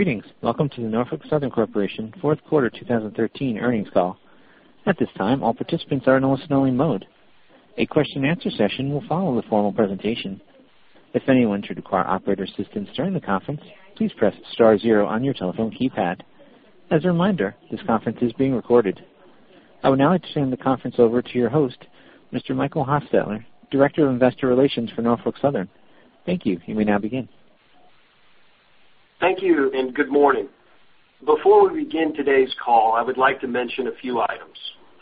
Greetings. Welcome to the Norfolk Southern Corporation Fourth Quarter 2013 Earnings Call. At this time, all participants are in a listen-only mode. A question-and-answer session will follow the formal presentation. If anyone should require operator assistance during the conference, please press star zero on your telephone keypad. As a reminder, this conference is being recorded. I would now like to turn the conference over to your host, Mr. Michael Hostutler, Director of Investor Relations for Norfolk Southern. Thank you. You may now begin. Thank you, and good morning. Before we begin today's call, I would like to mention a few items.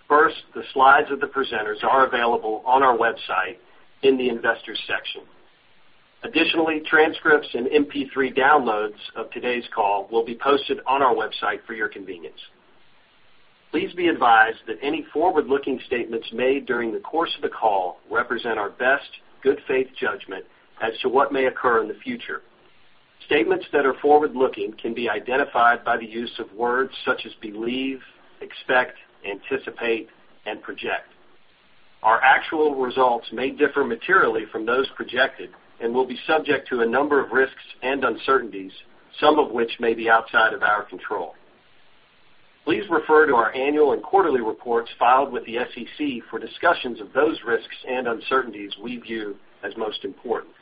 First, the slides of the presenters are available on our website in the Investors section. Additionally, transcripts and MP3 downloads of today's call will be posted on our website for your convenience. Please be advised that any forward-looking statements made during the course of the call represent our best good faith judgment as to what may occur in the future. Statements that are forward-looking can be identified by the use of words such as believe, expect, anticipate, and project. Our actual results may differ materially from those projected and will be subject to a number of risks and uncertainties, some of which may be outside of our control. Please refer to our annual and quarterly reports filed with the SEC for discussions of those risks and uncertainties we view as most important.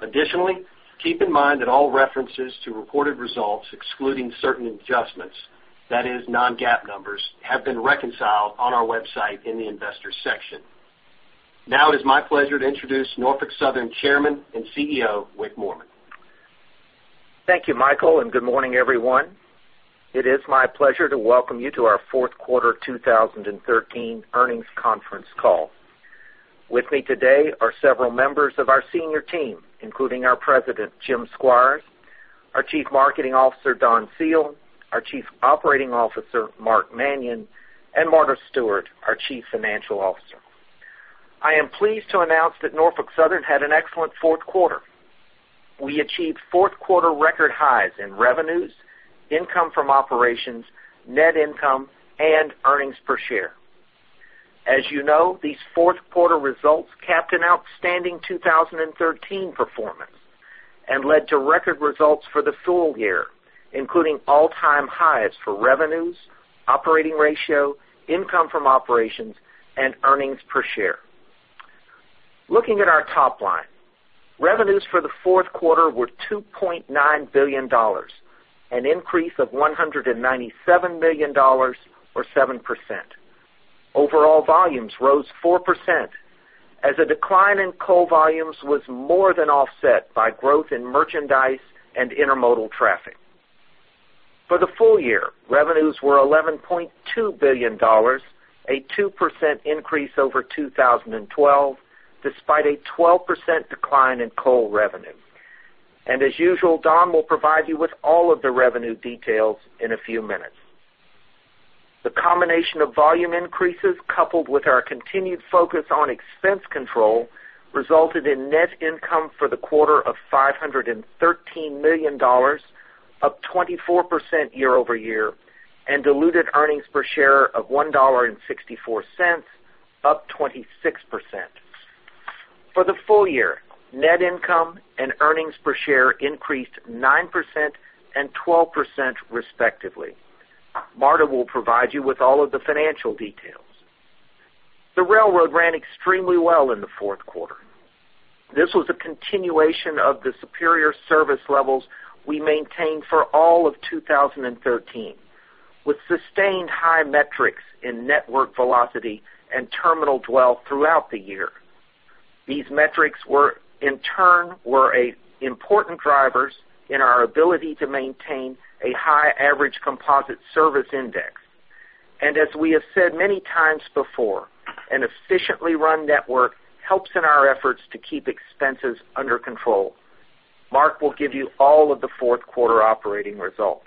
Additionally, keep in mind that all references to reported results, excluding certain adjustments, that is non-GAAP numbers, have been reconciled on our website in the Investors section. Now it is my pleasure to introduce Norfolk Southern Chairman and CEO, Wick Moorman. Thank you, Michael, and good morning, everyone. It is my pleasure to welcome you to our fourth quarter 2013 earnings conference call. With me today are several members of our senior team, including our President, Jim Squires, our Chief Marketing Officer, Don Seale, our Chief Operating Officer, Mark Manion, and Marta Stewart, our Chief Financial Officer. I am pleased to announce that Norfolk Southern had an excellent fourth quarter. We achieved fourth quarter record highs in revenues, income from operations, net income, and earnings per share. As you know, these fourth quarter results capped an outstanding 2013 performance and led to record results for the full year, including all-time highs for revenues, operating ratio, income from operations, and earnings per share. Looking at our top line, revenues for the fourth quarter were $2.9 billion, an increase of $197 million or 7%. Overall volumes rose 4% as a decline in coal volumes was more than offset by growth in merchandise and intermodal traffic. For the full year, revenues were $11.2 billion, a 2% increase over 2012, despite a 12% decline in coal revenue. As usual, Don will provide you with all of the revenue details in a few minutes. The combination of volume increases, coupled with our continued focus on expense control, resulted in net income for the quarter of $513 million, up 24% year-over-year, and diluted earnings per share of $1.64, up 26%. For the full year, net income and earnings per share increased 9% and 12%, respectively. Marta will provide you with all of the financial details. The railroad ran extremely well in the fourth quarter. This was a continuation of the superior service levels we maintained for all of 2013, with sustained high metrics in network velocity and terminal dwell throughout the year. These metrics were, in turn, an important drivers in our ability to maintain a high average Composite Service Index. And as we have said many times before, an efficiently run network helps in our efforts to keep expenses under control. Mark will give you all of the fourth quarter operating results.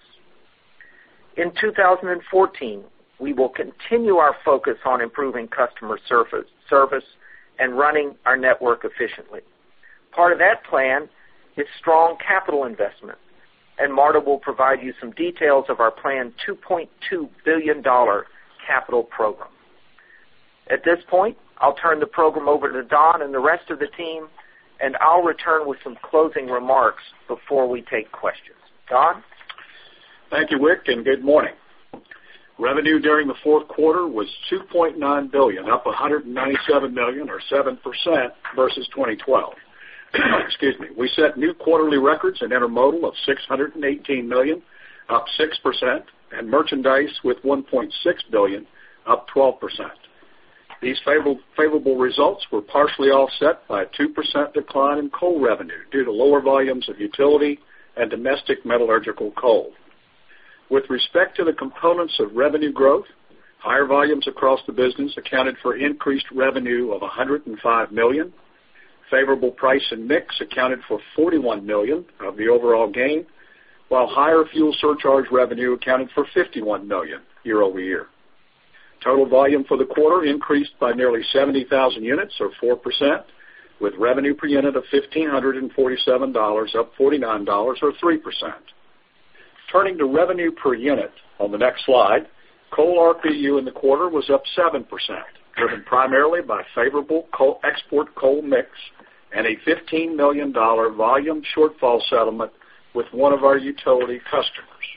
In 2014, we will continue our focus on improving customer service and running our network efficiently. Part of that plan is strong capital investment, and Marta will provide you some details of our planned $2.2 billion capital program. At this point, I'll turn the program over to Don and the rest of the team, and I'll return with some closing remarks before we take questions. Don? Thank you, Wick, and good morning. Revenue during the fourth quarter was $2.9 billion, up $197 million or 7% versus 2012. Excuse me. We set new quarterly records in intermodal of $618 million, up 6%, and merchandise with $1.6 billion, up 12%. These favorable results were partially offset by a 2% decline in coal revenue due to lower volumes of utility and domestic metallurgical coal. With respect to the components of revenue growth, higher volumes across the business accounted for increased revenue of $105 million. Favorable price and mix accounted for $41 million of the overall gain, while higher fuel surcharge revenue accounted for $51 million year-over-year. Total volume for the quarter increased by nearly 70,000 units or 4%, with revenue per unit of $1,547, up $49 or 3%. Turning to revenue per unit on the next slide, coal RPU in the quarter was up 7%, driven primarily by favorable coal export mix and a $15 million volume shortfall settlement with one of our utility customers.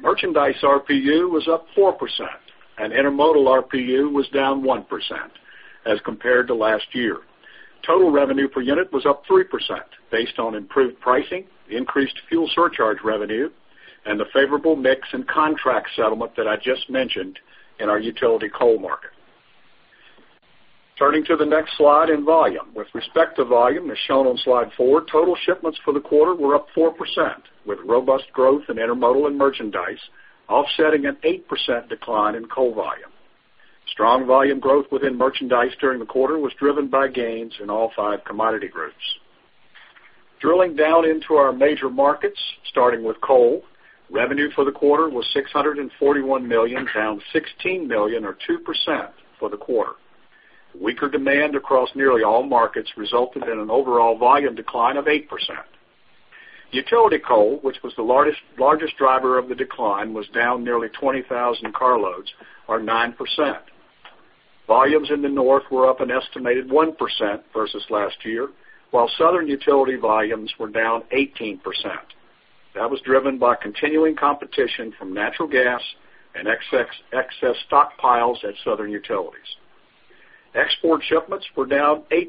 Merchandise RPU was up 4%, and Intermodal RPU was down 1% as compared to last year. Total revenue per unit was up 3% based on improved pricing, increased fuel surcharge revenue, and the favorable mix and contract settlement that I just mentioned in our utility coal market. Turning to the next slide in volume. With respect to volume, as shown on Slide 4, total shipments for the quarter were up 4%, with robust growth in intermodal and merchandise offsetting an 8% decline in coal volume. Strong volume growth within merchandise during the quarter was driven by gains in all five commodity groups. Drilling down into our major markets, starting with coal, revenue for the quarter was $641 million, down $16 million or 2% for the quarter. Weaker demand across nearly all markets resulted in an overall volume decline of 8%. Utility coal, which was the largest driver of the decline, was down nearly 20,000 carloads, or 9%. Volumes in the North were up an estimated 1% versus last year, while Southern utility volumes were down 18%. That was driven by continuing competition from natural gas and excess stockpiles at Southern utilities. Export shipments were down 8%,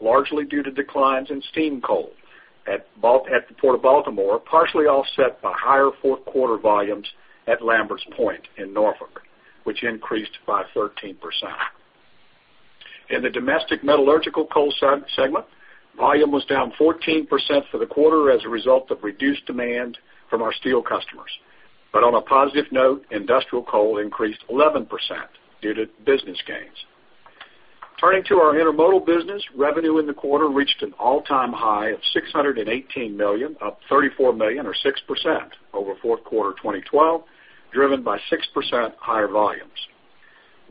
largely due to declines in steam coal at the Port of Baltimore, partially offset by higher fourth quarter volumes at Lamberts Point in Norfolk, which increased by 13%. In the domestic metallurgical coal segment, volume was down 14% for the quarter as a result of reduced demand from our steel customers. But on a positive note, industrial coal increased 11% due to business gains. Turning to our Intermodal business, revenue in the quarter reached an all-time high of $618 million, up $34 million or 6% over fourth quarter 2012, driven by 6% higher volumes.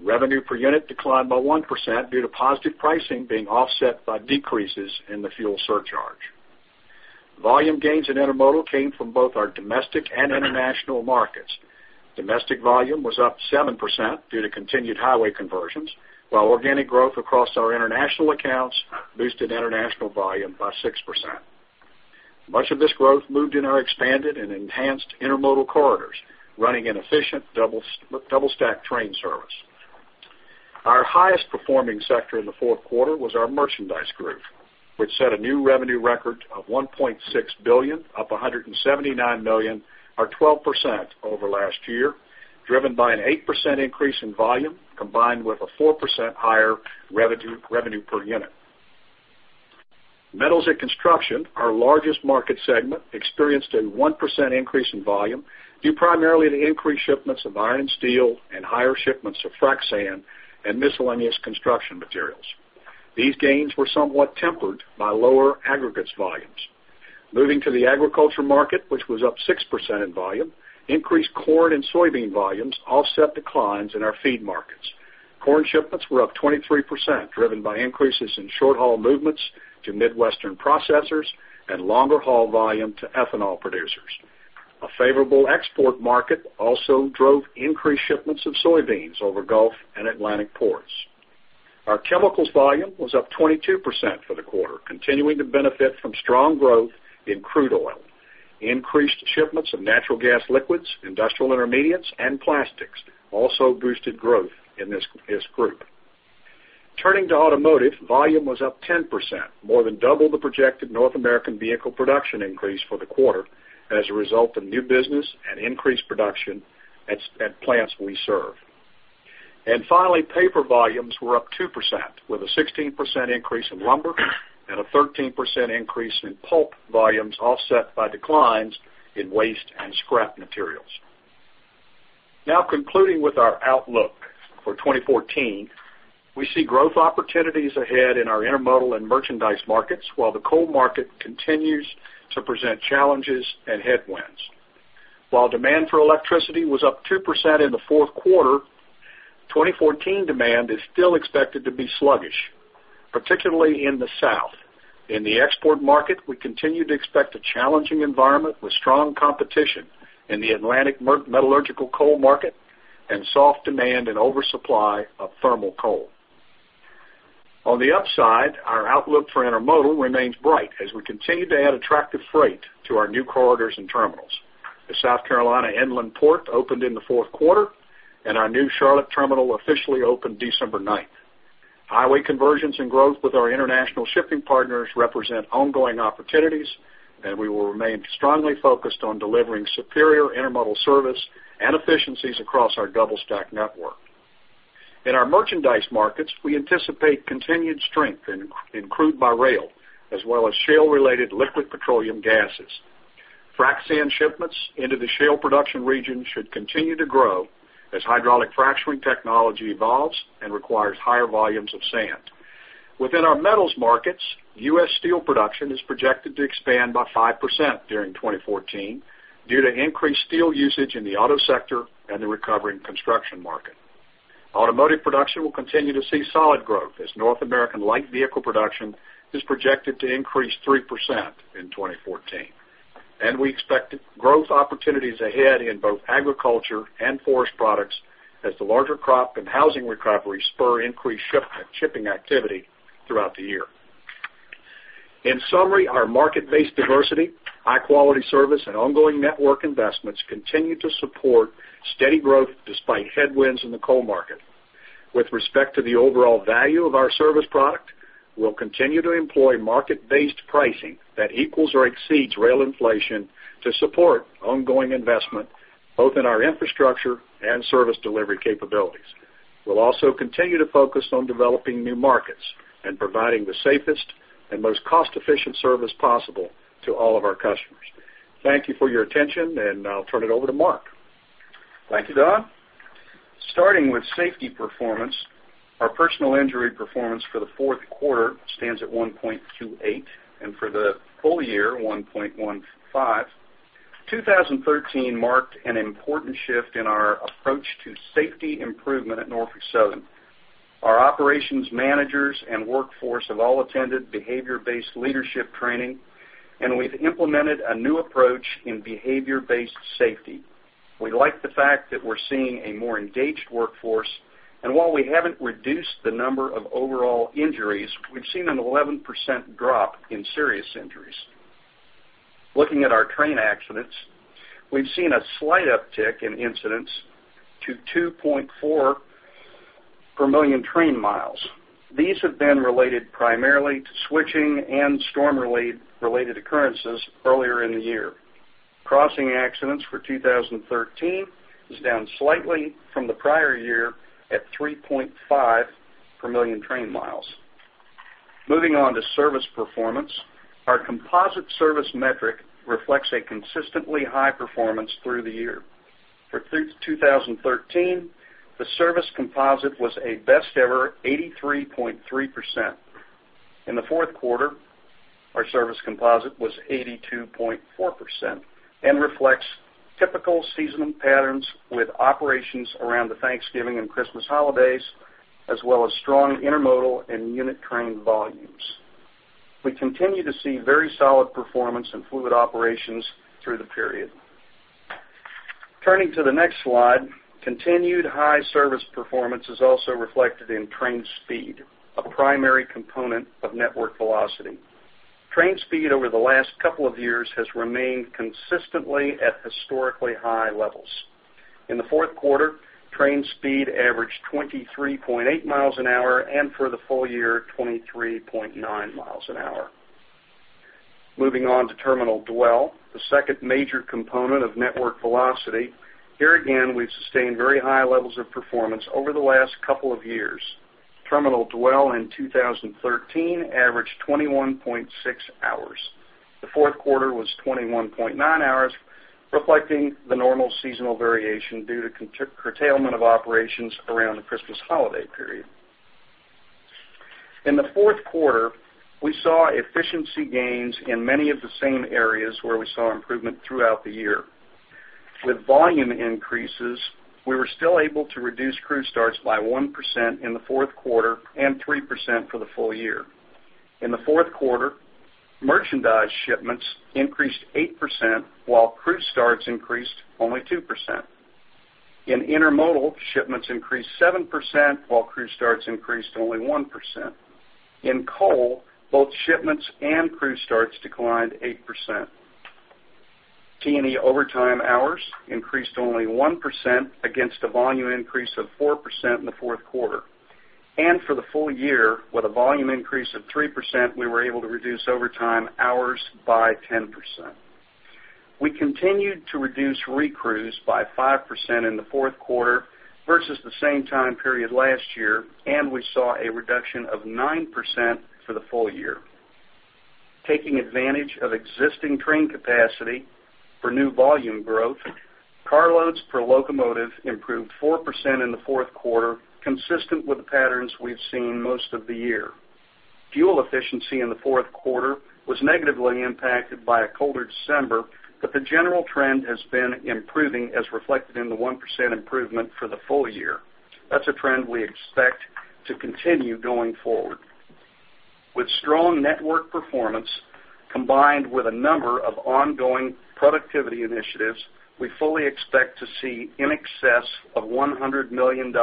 Revenue per unit declined by 1% due to positive pricing being offset by decreases in the fuel surcharge. Volume gains in Intermodal came from both our domestic and international markets. Domestic volume was up 7% due to continued highway conversions, while organic growth across our international accounts boosted international volume by 6%. Much of this growth moved in our expanded and enhanced Intermodal corridors, running an efficient double-stack train service. Our highest performing sector in the fourth quarter was our merchandise group, which set a new revenue record of $1.6 billion, up $179 million, or 12% over last year, driven by an 8% increase in volume, combined with a 4% higher revenue per unit. Metals and construction, our largest market segment, experienced a 1% increase in volume, due primarily to increased shipments of iron, steel, and higher shipments of frac sand and miscellaneous construction materials. These gains were somewhat tempered by lower aggregates volumes. Moving to the agriculture market, which was up 6% in volume, increased corn and soybean volumes offset declines in our feed markets. Corn shipments were up 23%, driven by increases in short-haul movements to Midwestern processors and longer-haul volume to ethanol producers. A favorable export market also drove increased shipments of soybeans over Gulf and Atlantic ports. Our chemicals volume was up 22% for the quarter, continuing to benefit from strong growth in crude oil. Increased shipments of natural gas liquids, industrial intermediates, and plastics also boosted growth in this group. Turning to automotive, volume was up 10%, more than double the projected North American vehicle production increase for the quarter, and as a result of new business and increased production at plants we serve. And finally, paper volumes were up 2%, with a 16% increase in lumber and a 13% increase in pulp volumes offset by declines in waste and scrap materials. Now concluding with our outlook for 2014, we see growth opportunities ahead in our Intermodal and merchandise markets, while the coal market continues to present challenges and headwinds. While demand for electricity was up 2% in the fourth quarter, 2014 demand is still expected to be sluggish, particularly in the South. In the export market, we continue to expect a challenging environment with strong competition in the Atlantic metallurgical coal market and soft demand and oversupply of thermal coal. On the upside, our outlook for Intermodal remains bright as we continue to add attractive freight to our new corridors and terminals. The South Carolina Inland Port opened in the fourth quarter, and our new Charlotte Terminal officially opened December ninth. Highway conversions and growth with our international shipping partners represent ongoing opportunities, and we will remain strongly focused on delivering superior intermodal service and efficiencies across our double-stack network. In our merchandise markets, we anticipate continued strength in crude by rail, as well as shale-related liquid petroleum gases. Frac sand shipments into the shale production region should continue to grow as hydraulic fracturing technology evolves and requires higher volumes of sand. Within our metals markets, U.S. steel production is projected to expand by 5% during 2014 due to increased steel usage in the auto sector and the recovering construction market. Automotive production will continue to see solid growth as North American light vehicle production is projected to increase 3% in 2014. We expect growth opportunities ahead in both agriculture and forest products as the larger crop and housing recovery spur increased shipping activity throughout the year. In summary, our market-based diversity, high-quality service, and ongoing network investments continue to support steady growth despite headwinds in the coal market. With respect to the overall value of our service product, we'll continue to employ market-based pricing that equals or exceeds rail inflation to support ongoing investment, both in our infrastructure and service delivery capabilities. We'll also continue to focus on developing new markets and providing the safest and most cost-efficient service possible to all of our customers. Thank you for your attention, and I'll turn it over to Mark. Thank you, Don. Starting with safety performance, our personal injury performance for the fourth quarter stands at 1.28, and for the full year, 1.15. 2013 marked an important shift in our approach to safety improvement at Norfolk Southern. Our operations managers and workforce have all attended behavior-based leadership training, and we've implemented a new approach in behavior-based safety. We like the fact that we're seeing a more engaged workforce, and while we haven't reduced the number of overall injuries, we've seen an 11% drop in serious injuries. Looking at our train accidents, we've seen a slight uptick in incidents to 2.4 per million train miles. These have been related primarily to switching and storm-related occurrences earlier in the year. Crossing accidents for 2013 is down slightly from the prior year at 3.5 per million train miles. Moving on to service performance, our composite service metric reflects a consistently high performance through the year. For 2013, the service composite was a best ever 83.3%. In the fourth quarter, our service composite was 82.4% and reflects typical seasonal patterns with operations around the Thanksgiving and Christmas holidays, as well as strong intermodal and unit train volumes. We continue to see very solid performance in fluid operations through the period. Turning to the next slide, continued high service performance is also reflected in train speed, a primary component of network velocity. Train speed over the last couple of years has remained consistently at historically high levels. In the fourth quarter, train speed averaged 23.8 miles an hour, and for the full year, 23.9 miles an hour. Moving on to terminal dwell, the second major component of network velocity. Here, again, we've sustained very high levels of performance over the last couple of years. Terminal dwell in 2013 averaged 21.6 hours. The fourth quarter was 21.9 hours, reflecting the normal seasonal variation due to curtailment of operations around the Christmas holiday period. In the fourth quarter, we saw efficiency gains in many of the same areas where we saw improvement throughout the year. With volume increases, we were still able to reduce crew starts by 1% in the fourth quarter and 3% for the full year. In the fourth quarter, merchandise shipments increased 8%, while crew starts increased only 2%. In intermodal, shipments increased 7%, while crew starts increased only 1%. In coal, both shipments and crew starts declined 8%. T&E overtime hours increased only 1% against a volume increase of 4% in the fourth quarter. For the full year, with a volume increase of 3%, we were able to reduce overtime hours by 10%. We continued to reduce recrews by 5% in the fourth quarter versus the same time period last year, and we saw a reduction of 9% for the full year. Taking advantage of existing train capacity for new volume growth, carloads per locomotive improved 4% in the fourth quarter, consistent with the patterns we've seen most of the year. Fuel efficiency in the fourth quarter was negatively impacted by a colder December, but the general trend has been improving, as reflected in the 1% improvement for the full year. That's a trend we expect to continue going forward. With strong network performance, combined with a number of ongoing productivity initiatives, we fully expect to see in excess of $100 million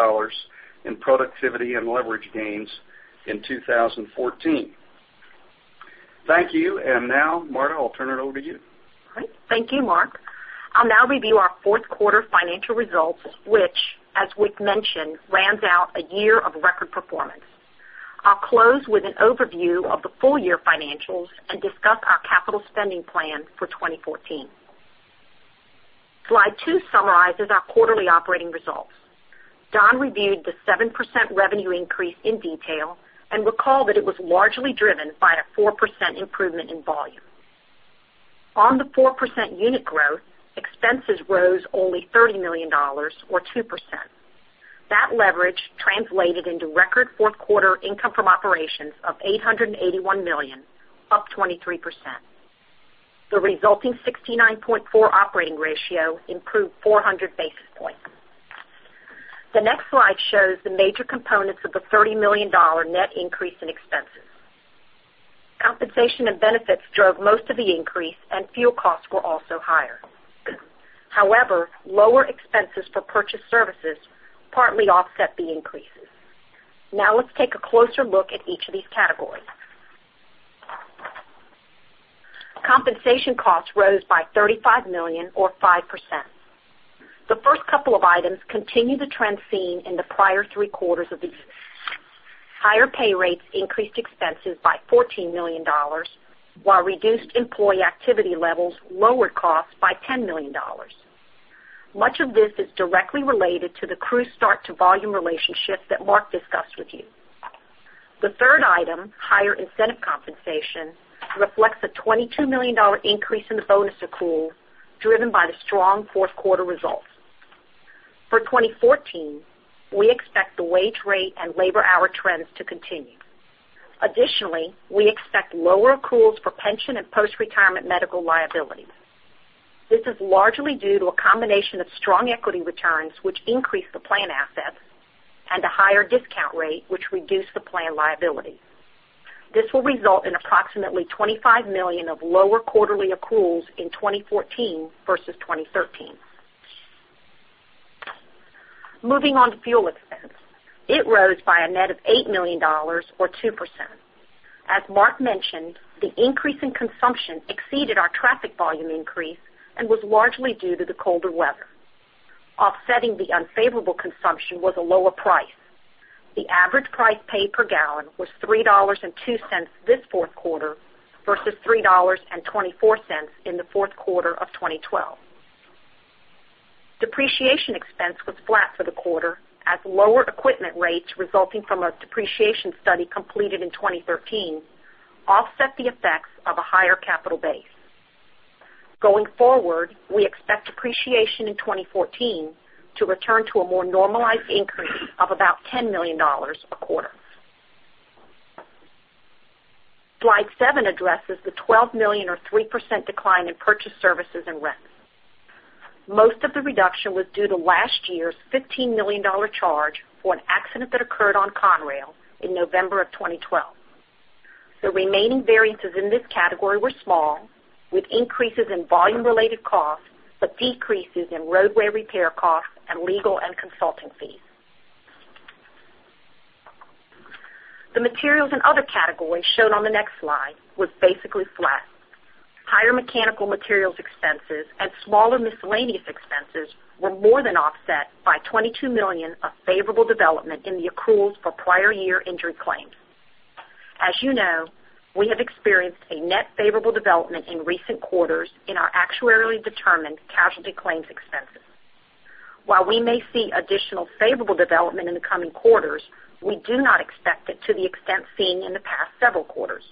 in productivity and leverage gains in 2014. Thank you. And now, Marta, I'll turn it over to you. Great. Thank you, Mark. I'll now review our fourth quarter financial results, which, as we've mentioned, rounds out a year of record performance. I'll close with an overview of the full year financials and discuss our capital spending plan for 2014. Slide 2 summarizes our quarterly operating results. Don reviewed the 7% revenue increase in detail and recalled that it was largely driven by a 4% improvement in volume. On the 4% unit growth, expenses rose only $30 million, or 2%. That leverage translated into record fourth quarter income from operations of $881 million, up 23%. The resulting 69.4 operating ratio improved 400 basis points. The next slide shows the major components of the $30 million net increase in expenses. Compensation and benefits drove most of the increase, and fuel costs were also higher. However, lower expenses for purchased services partly offset the increases. Now, let's take a closer look at each of these categories. Compensation costs rose by $35 million, or 5%. The first couple of items continue the trend seen in the prior three quarters of the year. Higher pay rates increased expenses by $14 million, while reduced employee activity levels lowered costs by $10 million. Much of this is directly related to the crew start to volume relationship that Mark discussed with you. The third item, higher incentive compensation, reflects a $22 million dollar increase in the bonus accrual, driven by the strong fourth quarter results. For 2014, we expect the wage rate and labor hour trends to continue. Additionally, we expect lower accruals for pension and post-retirement medical liabilities. This is largely due to a combination of strong equity returns, which increase the plan assets, and a higher discount rate, which reduce the plan liability. This will result in approximately $25 million of lower quarterly accruals in 2014 versus 2013. Moving on to fuel expense. It rose by a net of $8 million, or 2%. As Mark mentioned, the increase in consumption exceeded our traffic volume increase and was largely due to the colder weather. Offsetting the unfavorable consumption was a lower price. The average price paid per gallon was $3.02 this fourth quarter, versus $3.24 in the fourth quarter of 2012. Depreciation expense was flat for the quarter, as lower equipment rates, resulting from a depreciation study completed in 2013, offset the effects of a higher capital base. Going forward, we expect depreciation in 2014 to return to a more normalized increase of about $10 million a quarter. Slide seven addresses the $12 million, or 3%, decline in purchased services and rents. Most of the reduction was due to last year's $15 million charge for an accident that occurred on Conrail in November of 2012. The remaining variances in this category were small, with increases in volume-related costs, but decreases in roadway repair costs and legal and consulting fees. The materials and other categories, shown on the next slide, was basically flat. Higher mechanical materials expenses and smaller miscellaneous expenses were more than offset by $22 million of favorable development in the accruals for prior year injury claims. As you know, we have experienced a net favorable development in recent quarters in our actuarially determined casualty claims expenses. While we may see additional favorable development in the coming quarters, we do not expect it to the extent seen in the past several quarters.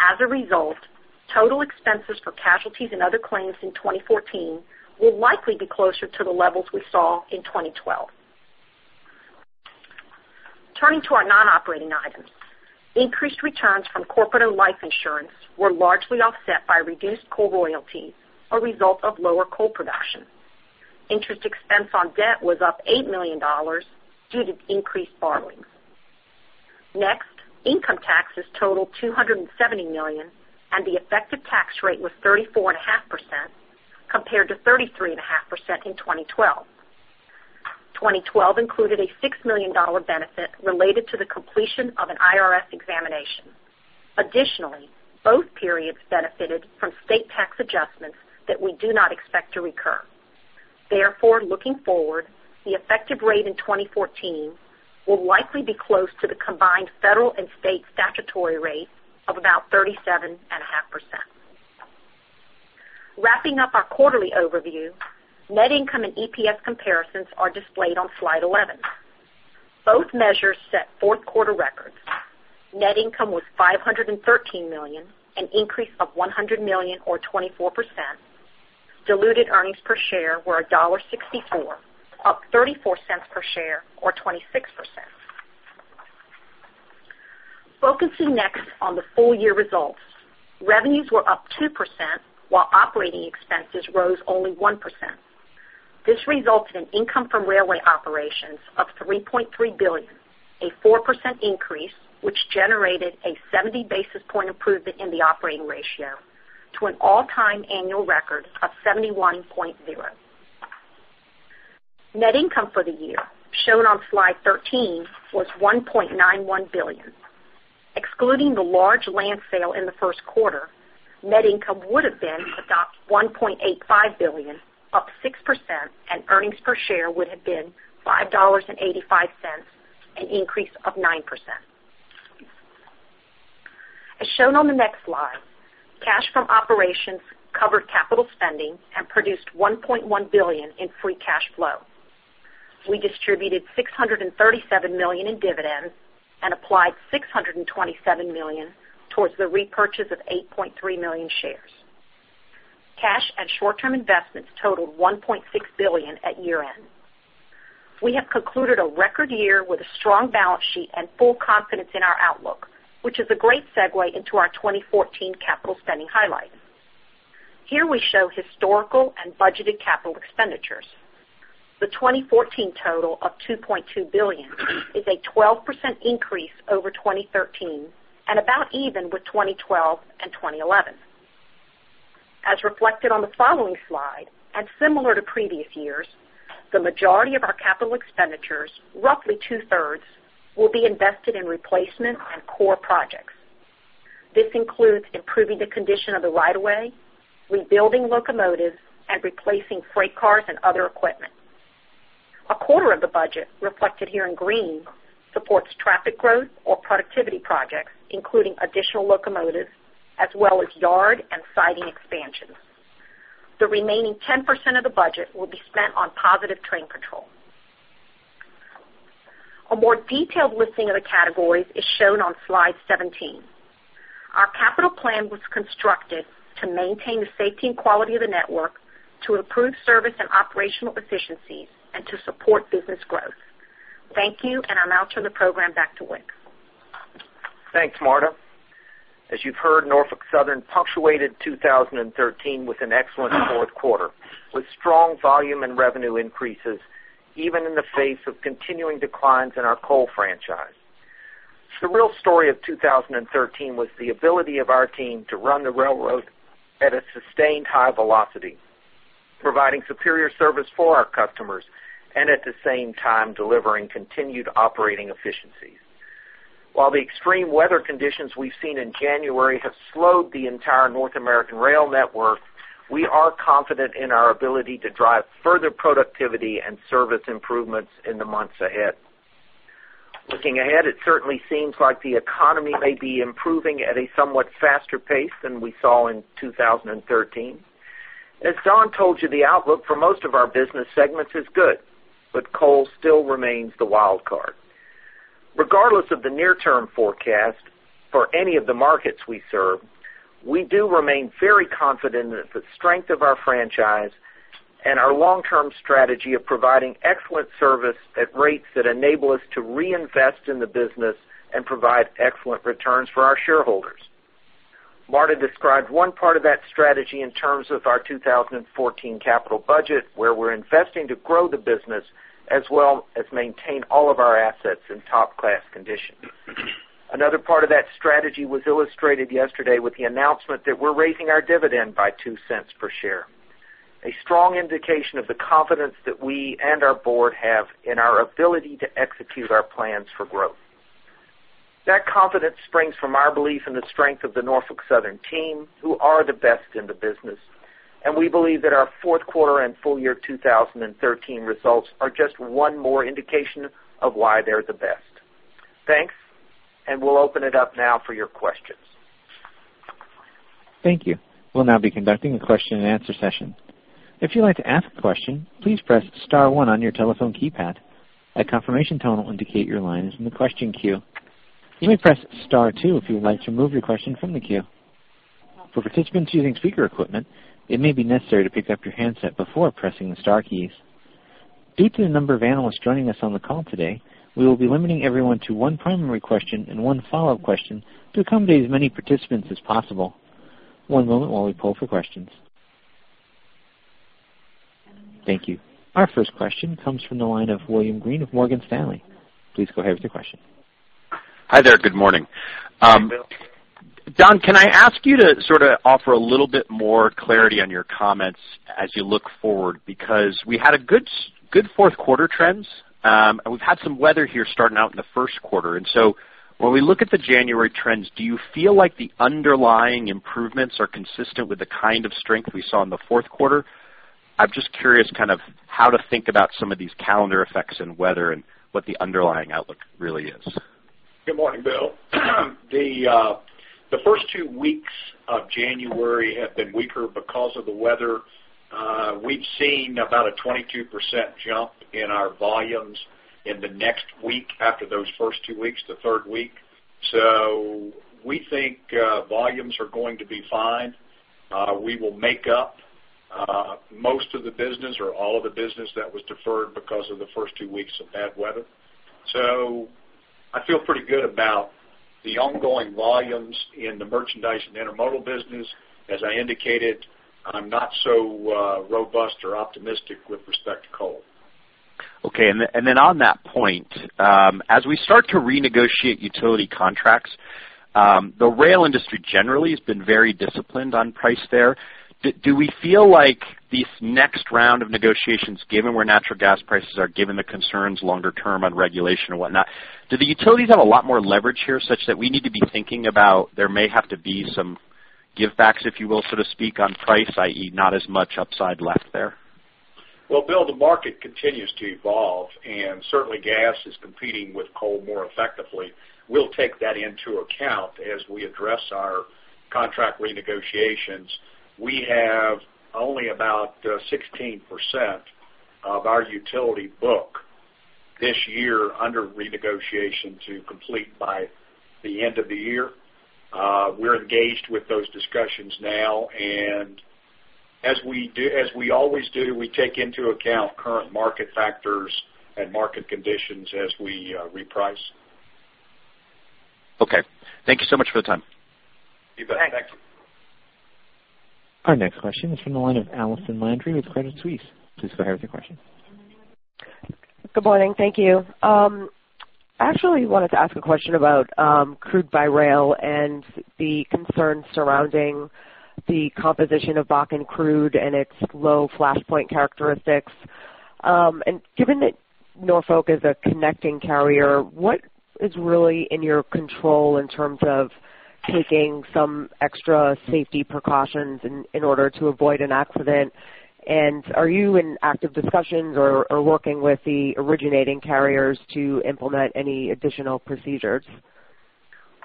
As a result, total expenses for casualties and other claims in 2014 will likely be closer to the levels we saw in 2012. Turning to our non-operating items. Increased returns from corporate and life insurance were largely offset by reduced coal royalties, a result of lower coal production. Interest expense on debt was up $8 million due to increased borrowings. Next, income taxes totaled $270 million, and the effective tax rate was 34.5%, compared to 33.5% in 2012. 2012 included a $6 million benefit related to the completion of an IRS examination. Additionally, both periods benefited from state tax adjustments that we do not expect to recur. Therefore, looking forward, the effective rate in 2014 will likely be close to the combined federal and state statutory rate of about 37.5%. Wrapping up our quarterly overview, net income and EPS comparisons are displayed on slide 11. Both measures set fourth quarter records. Net income was $513 million, an increase of $100 million, or 24%. Diluted earnings per share were $1.64, up $0.34 per share, or 26%. Focusing next on the full year results, revenues were up 2%, while operating expenses rose only 1%. This resulted in income from railway operations of $3.3 billion, a 4% increase, which generated a 70 basis point improvement in the operating ratio to an all-time annual record of 71.0%. Net income for the year, shown on slide 13, was $1.91 billion. Excluding the large land sale in the first quarter, net income would have been about $1.85 billion, up 6%, and earnings per share would have been $5.85, an increase of 9%. As shown on the next slide, cash from operations covered capital spending and produced $1.1 billion in free cash flow. We distributed $637 million in dividends and applied $627 million towards the repurchase of 8.3 million shares. Cash and short-term investments totaled $1.6 billion at year-end.... We have concluded a record year with a strong balance sheet and full confidence in our outlook, which is a great segue into our 2014 capital spending highlights. Here we show historical and budgeted capital expenditures. The 2014 total of $2.2 billion is a 12% increase over 2013 and about even with 2012 and 2011. As reflected on the following slide, and similar to previous years, the majority of our capital expenditures, roughly two-thirds, will be invested in replacement and core projects. This includes improving the condition of the right of way, rebuilding locomotives, and replacing freight cars and other equipment. A quarter of the budget, reflected here in green, supports traffic growth or productivity projects, including additional locomotives, as well as yard and siding expansions. The remaining 10% of the budget will be spent on Positive Train Control. A more detailed listing of the categories is shown on slide 17. Our capital plan was constructed to maintain the safety and quality of the network, to improve service and operational efficiencies, and to support business growth. Thank you, and I'll now turn the program back to Wick. Thanks, Marta. As you've heard, Norfolk Southern punctuated 2013 with an excellent fourth quarter, with strong volume and revenue increases, even in the face of continuing declines in our coal franchise. The real story of 2013 was the ability of our team to run the railroad at a sustained high velocity, providing superior service for our customers and at the same time, delivering continued operating efficiencies. While the extreme weather conditions we've seen in January have slowed the entire North American rail network, we are confident in our ability to drive further productivity and service improvements in the months ahead. Looking ahead, it certainly seems like the economy may be improving at a somewhat faster pace than we saw in 2013. As Don told you, the outlook for most of our business segments is good, but coal still remains the wild card. Regardless of the near-term forecast for any of the markets we serve, we do remain very confident in the strength of our franchise and our long-term strategy of providing excellent service at rates that enable us to reinvest in the business and provide excellent returns for our shareholders. Marta described one part of that strategy in terms of our 2014 capital budget, where we're investing to grow the business as well as maintain all of our assets in top-class condition. Another part of that strategy was illustrated yesterday with the announcement that we're raising our dividend by $0.02 per share, a strong indication of the confidence that we and our board have in our ability to execute our plans for growth. That confidence springs from our belief in the strength of the Norfolk Southern team, who are the best in the business, and we believe that our fourth quarter and full year 2013 results are just one more indication of why they're the best. Thanks, and we'll open it up now for your questions. Thank you. We'll now be conducting a question-and-answer session. If you'd like to ask a question, please press star one on your telephone keypad. A confirmation tone will indicate your line is in the question queue. You may press star two if you would like to remove your question from the queue. For participants using speaker equipment, it may be necessary to pick up your handset before pressing the star keys. Due to the number of analysts joining us on the call today, we will be limiting everyone to one primary question and one follow-up question to accommodate as many participants as possible. One moment while we poll for questions. Thank you. Our first question comes from the line of William Greene of Morgan Stanley. Please go ahead with your question. Hi there. Good morning. Don, can I ask you to sort of offer a little bit more clarity on your comments as you look forward? Because we had a good fourth quarter trends, and we've had some weather here starting out in the first quarter. And so when we look at the January trends, do you feel like the underlying improvements are consistent with the kind of strength we saw in the fourth quarter? I'm just curious kind of how to think about some of these calendar effects and weather and what the underlying outlook really is. Good morning, Bill. The, the first two weeks of January have been weaker because of the weather. We've seen about a 22% jump in our volumes in the next week after those first two weeks, the third week. So we think, volumes are going to be fine. We will make up, most of the business or all of the business that was deferred because of the first two weeks of bad weather. So I feel pretty good about the ongoing volumes in the merchandise and intermodal business. As I indicated, I'm not so, robust or optimistic with respect to coal. Okay, and then, and then on that point, as we start to renegotiate utility contracts, the rail industry generally has been very disciplined on price there. Do we feel like this next round of negotiations, given where natural gas prices are, given the concerns longer term on regulation and whatnot, do the utilities have a lot more leverage here, such that we need to be thinking about there may have to be some give backs, if you will, so to speak, on price, i.e., not as much upside left there? Well, Bill, the market continues to evolve, and certainly gas is competing with coal more effectively. We'll take that into account as we address our contract renegotiations. We have only about 16% of our utility book this year under renegotiation to complete by the end of the year. We're engaged with those discussions now, and as we do, as we always do, we take into account current market factors and market conditions as we reprice. Okay. Thank you so much for the time. You bet. Thank you. Our next question is from the line of Allison Landry with Credit Suisse. Please go ahead with your question. Good morning. Thank you. I actually wanted to ask a question about crude by rail and the concerns surrounding the composition of Bakken crude and its low flashpoint characteristics. And given that Norfolk is a connecting carrier, what is really in your control in terms of taking some extra safety precautions in order to avoid an accident? And are you in active discussions or working with the originating carriers to implement any additional procedures?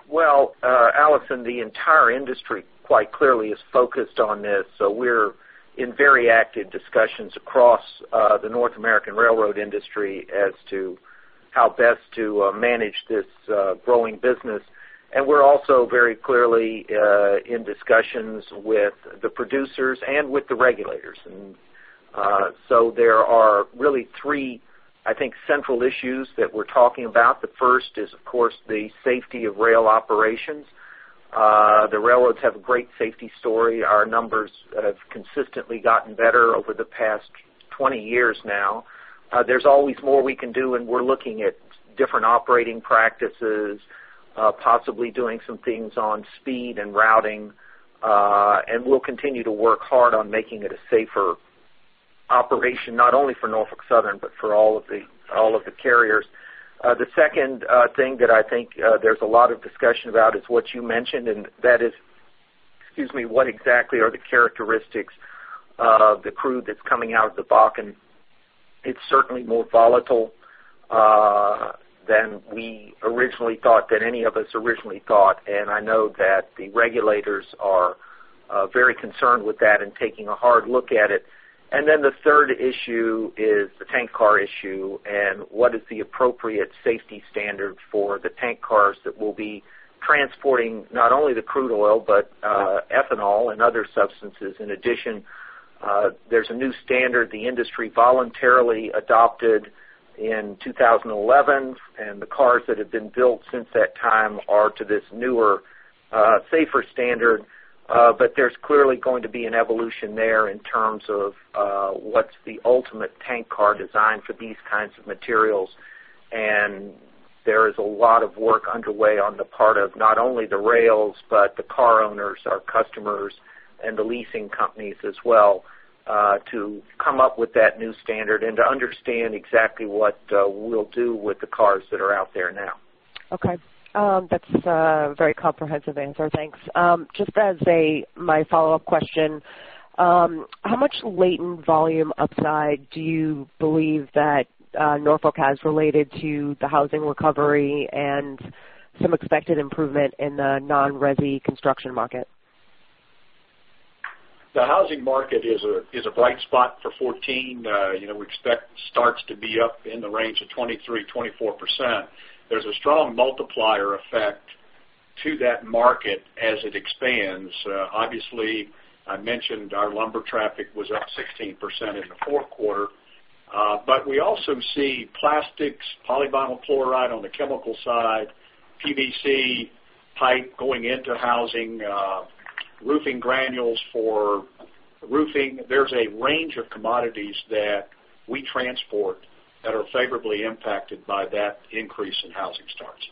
Well, Allison, the entire industry, quite clearly, is focused on this. So we're in very active discussions across, the North American railroad industry as to how best to, manage this, growing business. And we're also very clearly, in discussions with the producers and with the regulators. And, so there are really three, I think, central issues that we're talking about. The first is, of course, the safety of rail operations. The railroads have a great safety story. Our numbers have consistently gotten better over the past 20 years now. There's always more we can do, and we're looking at different operating practices, possibly doing some things on speed and routing. And we'll continue to work hard on making it a safer operation, not only for Norfolk Southern, but for all of the, all of the carriers. The second thing that I think there's a lot of discussion about is what you mentioned, and that is, excuse me, what exactly are the characteristics of the crude that's coming out of the Bakken? It's certainly more volatile than we originally thought, than any of us originally thought, and I know that the regulators are very concerned with that and taking a hard look at it. And then the third issue is the tank car issue, and what is the appropriate safety standard for the tank cars that will be transporting not only the crude oil, but ethanol and other substances. In addition, there's a new standard the industry voluntarily adopted in 2011, and the cars that have been built since that time are to this newer, safer standard. But there's clearly going to be an evolution there in terms of what's the ultimate tank car design for these kinds of materials. And there is a lot of work underway on the part of not only the rails, but the car owners, our customers, and the leasing companies as well, to come up with that new standard and to understand exactly what we'll do with the cars that are out there now. Okay. That's a very comprehensive answer. Thanks. My follow-up question, how much latent volume upside do you believe that Norfolk has related to the housing recovery and some expected improvement in the non-resi construction market? The housing market is a bright spot for 2014. You know, we expect starts to be up in the range of 23%-24%. There's a strong multiplier effect to that market as it expands. Obviously, I mentioned our lumber traffic was up 16% in the fourth quarter. But we also see plastics, polyvinyl chloride on the chemical side, PVC pipe going into housing, roofing granules for roofing. There's a range of commodities that we transport that are favorably impacted by that increase in housing starts.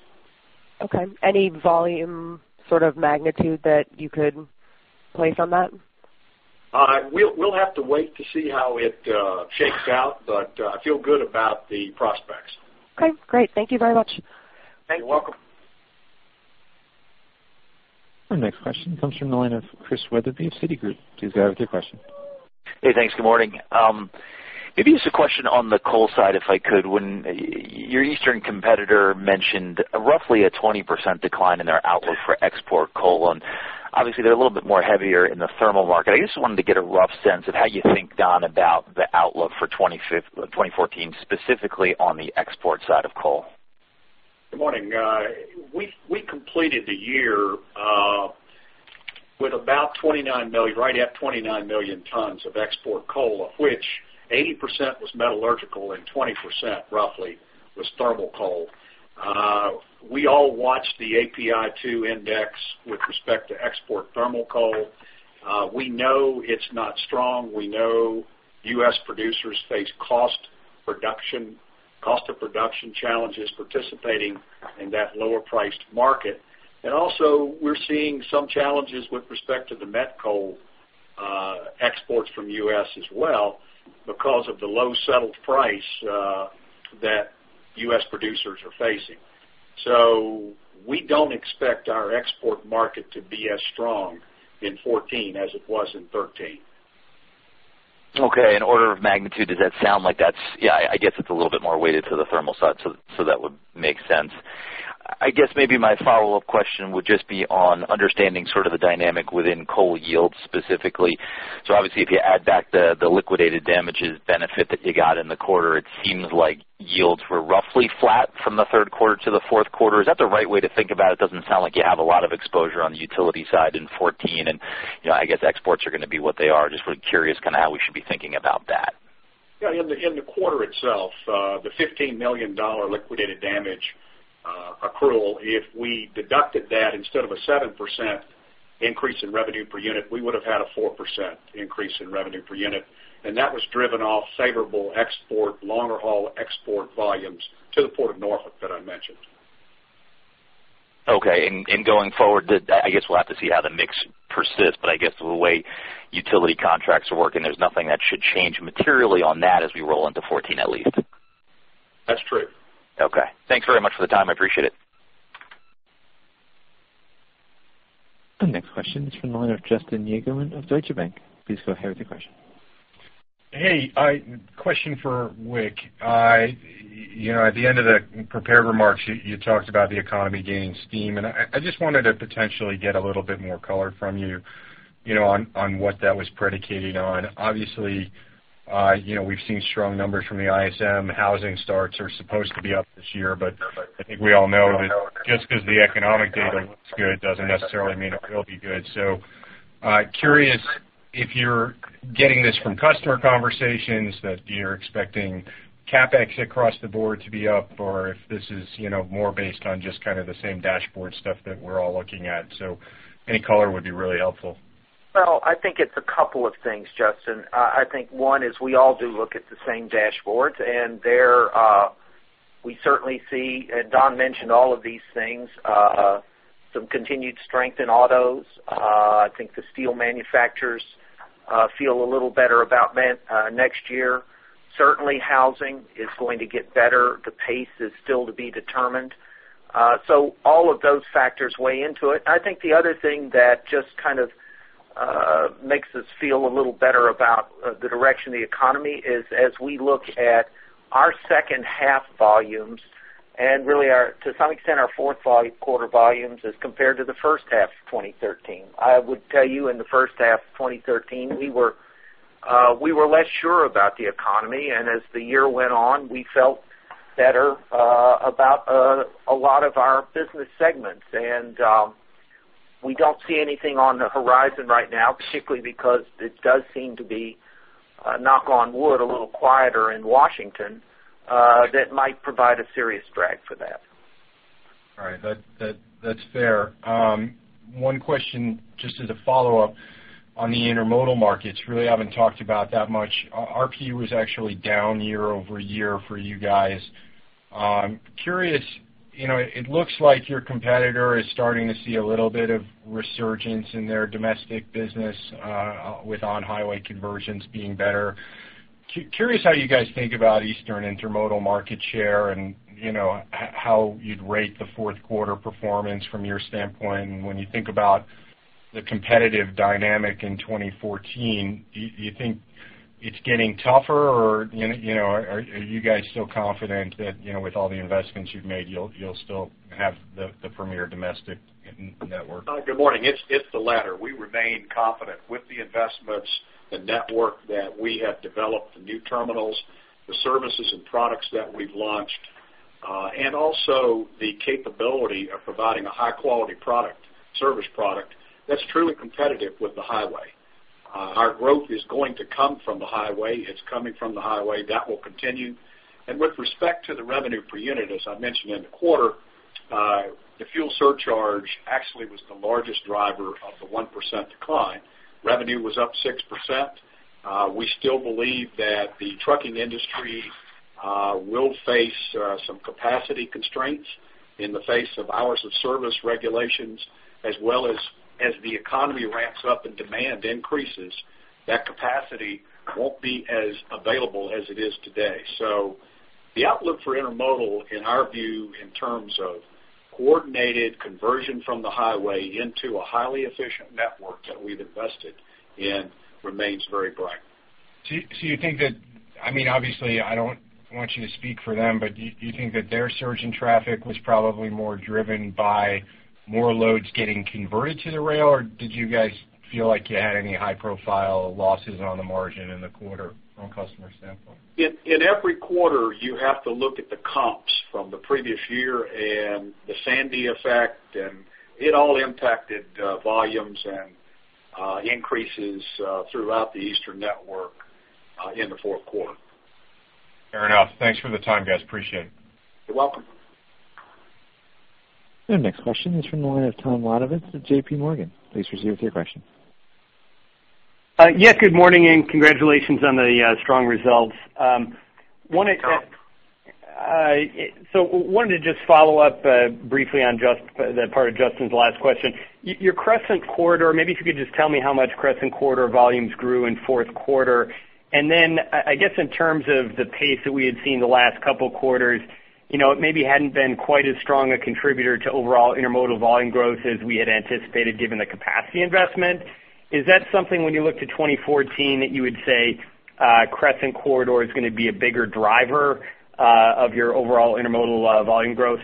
Okay. Any volume sort of magnitude that you could place on that? We'll have to wait to see how it shakes out, but I feel good about the prospects. Okay, great. Thank you very much. You're welcome. Our next question comes from the line of Chris Wetherbee of Citigroup. Please go ahead with your question. Hey, thanks. Good morning. Maybe just a question on the coal side, if I could. When your eastern competitor mentioned roughly a 20% decline in their outlook for export coal, and obviously, they're a little bit more heavier in the thermal market. I just wanted to get a rough sense of how you think, Don, about the outlook for 2014, specifically on the export side of coal. Good morning. We completed the year with about 29 million, right at 29 million tons of export coal, of which 80% was metallurgical and 20%, roughly, was thermal coal. We all watched the API2 index with respect to export thermal coal. We know it's not strong. We know U.S. producers face cost production, cost of production challenges participating in that lower priced market. And also, we're seeing some challenges with respect to the met coal exports from U.S. as well, because of the low settled price that U.S. producers are facing. So we don't expect our export market to be as strong in 2014 as it was in 2013. Okay. In order of magnitude, does that sound like that's—yeah, I, I guess it's a little bit more weighted to the thermal side, so, so that would make sense. I guess maybe my follow-up question would just be on understanding sort of the dynamic within coal yields specifically. So obviously, if you add back the, the liquidated damages benefit that you got in the quarter, it seems like yields were roughly flat from the third quarter to the fourth quarter. Is that the right way to think about it? Doesn't sound like you have a lot of exposure on the utility side in 2014, and, you know, I guess exports are gonna be what they are. Just really curious kind of how we should be thinking about that.... Yeah, in the quarter itself, the $15 million liquidated damage accrual, if we deducted that instead of a 7% increase in revenue per unit, we would have had a 4% increase in revenue per unit, and that was driven off favorable export, longer haul export volumes to the Port of Norfolk that I mentioned. Okay. And going forward, I guess we'll have to see how the mix persists, but I guess the way utility contracts are working, there's nothing that should change materially on that as we roll into 2014, at least. That's true. Okay. Thanks very much for the time. I appreciate it. The next question is from the line of Justin Yagerman of Deutsche Bank. Please go ahead with your question. Hey, question for Wick. You know, at the end of the prepared remarks, you talked about the economy gaining steam, and I just wanted to potentially get a little bit more color from you, you know, on what that was predicating on. Obviously, you know, we've seen strong numbers from the ISM. Housing starts are supposed to be up this year, but I think we all know that just because the economic data looks good, doesn't necessarily mean it will be good. So, curious if you're getting this from customer conversations, that you're expecting CapEx across the board to be up, or if this is, you know, more based on just kind of the same dashboard stuff that we're all looking at. So any color would be really helpful. Well, I think it's a couple of things, Justin. I think one is we all do look at the same dashboards, and there, we certainly see, and Don mentioned all of these things, some continued strength in autos. I think the steel manufacturers feel a little better about next year. Certainly, housing is going to get better. The pace is still to be determined. So all of those factors weigh into it. I think the other thing that just kind of makes us feel a little better about the direction of the economy is as we look at our second half volumes and really our, to some extent, our fourth quarter volumes as compared to the first half of 2013. I would tell you, in the first half of 2013, we were, we were less sure about the economy, and as the year went on, we felt better, about, a lot of our business segments. And, we don't see anything on the horizon right now, particularly because it does seem to be, knock on wood, a little quieter in Washington, that might provide a serious drag for that. All right, that's fair. One question, just as a follow-up on the intermodal markets, really haven't talked about that much. Our RPU was actually down year-over-year for you guys. Curious, you know, it looks like your competitor is starting to see a little bit of resurgence in their domestic business, with on-highway conversions being better. Curious how you guys think about Eastern intermodal market share and, you know, how you'd rate the fourth quarter performance from your standpoint. And when you think about the competitive dynamic in 2014, do you think it's getting tougher, or, you know, are you guys still confident that, you know, with all the investments you've made, you'll still have the premier domestic network? Good morning. It's, it's the latter. We remain confident with the investments, the network that we have developed, the new terminals, the services and products that we've launched, and also the capability of providing a high-quality product, service product, that's truly competitive with the highway. Our growth is going to come from the highway. It's coming from the highway. That will continue. And with respect to the revenue per unit, as I mentioned in the quarter, the fuel surcharge actually was the largest driver of the 1% decline. Revenue was up 6%. We still believe that the trucking industry will face some capacity constraints in the face of hours of service regulations, as well as, as the economy ramps up and demand increases, that capacity won't be as available as it is today. The outlook for intermodal, in our view, in terms of coordinated conversion from the highway into a highly efficient network that we've invested in, remains very bright. You think that, I mean, obviously, I don't want you to speak for them, but do you think that their surge in traffic was probably more driven by more loads getting converted to the rail, or did you guys feel like you had any high-profile losses on the margin in the quarter from a customer standpoint? In every quarter, you have to look at the comps from the previous year and the Sandy effect, and it all impacted volumes and increases throughout the Eastern network in the fourth quarter. Fair enough. Thanks for the time, guys. Appreciate it. You're welcome. The next question is from the line of Thomas Wadewitz at JPMorgan. Please proceed with your question. Yes, good morning, and congratulations on the strong results. Wanted to- Sure. So wanted to just follow up briefly on the part of Justin's last question. Your Crescent Corridor, maybe if you could just tell me how much Crescent Corridor volumes grew in fourth quarter. And then, I guess in terms of the pace that we had seen the last couple of quarters, you know, it maybe hadn't been quite as strong a contributor to overall intermodal volume growth as we had anticipated, given the capacity investment. Is that something, when you look to 2014, that you would say, Crescent Corridor is going to be a bigger driver of your overall intermodal volume growth?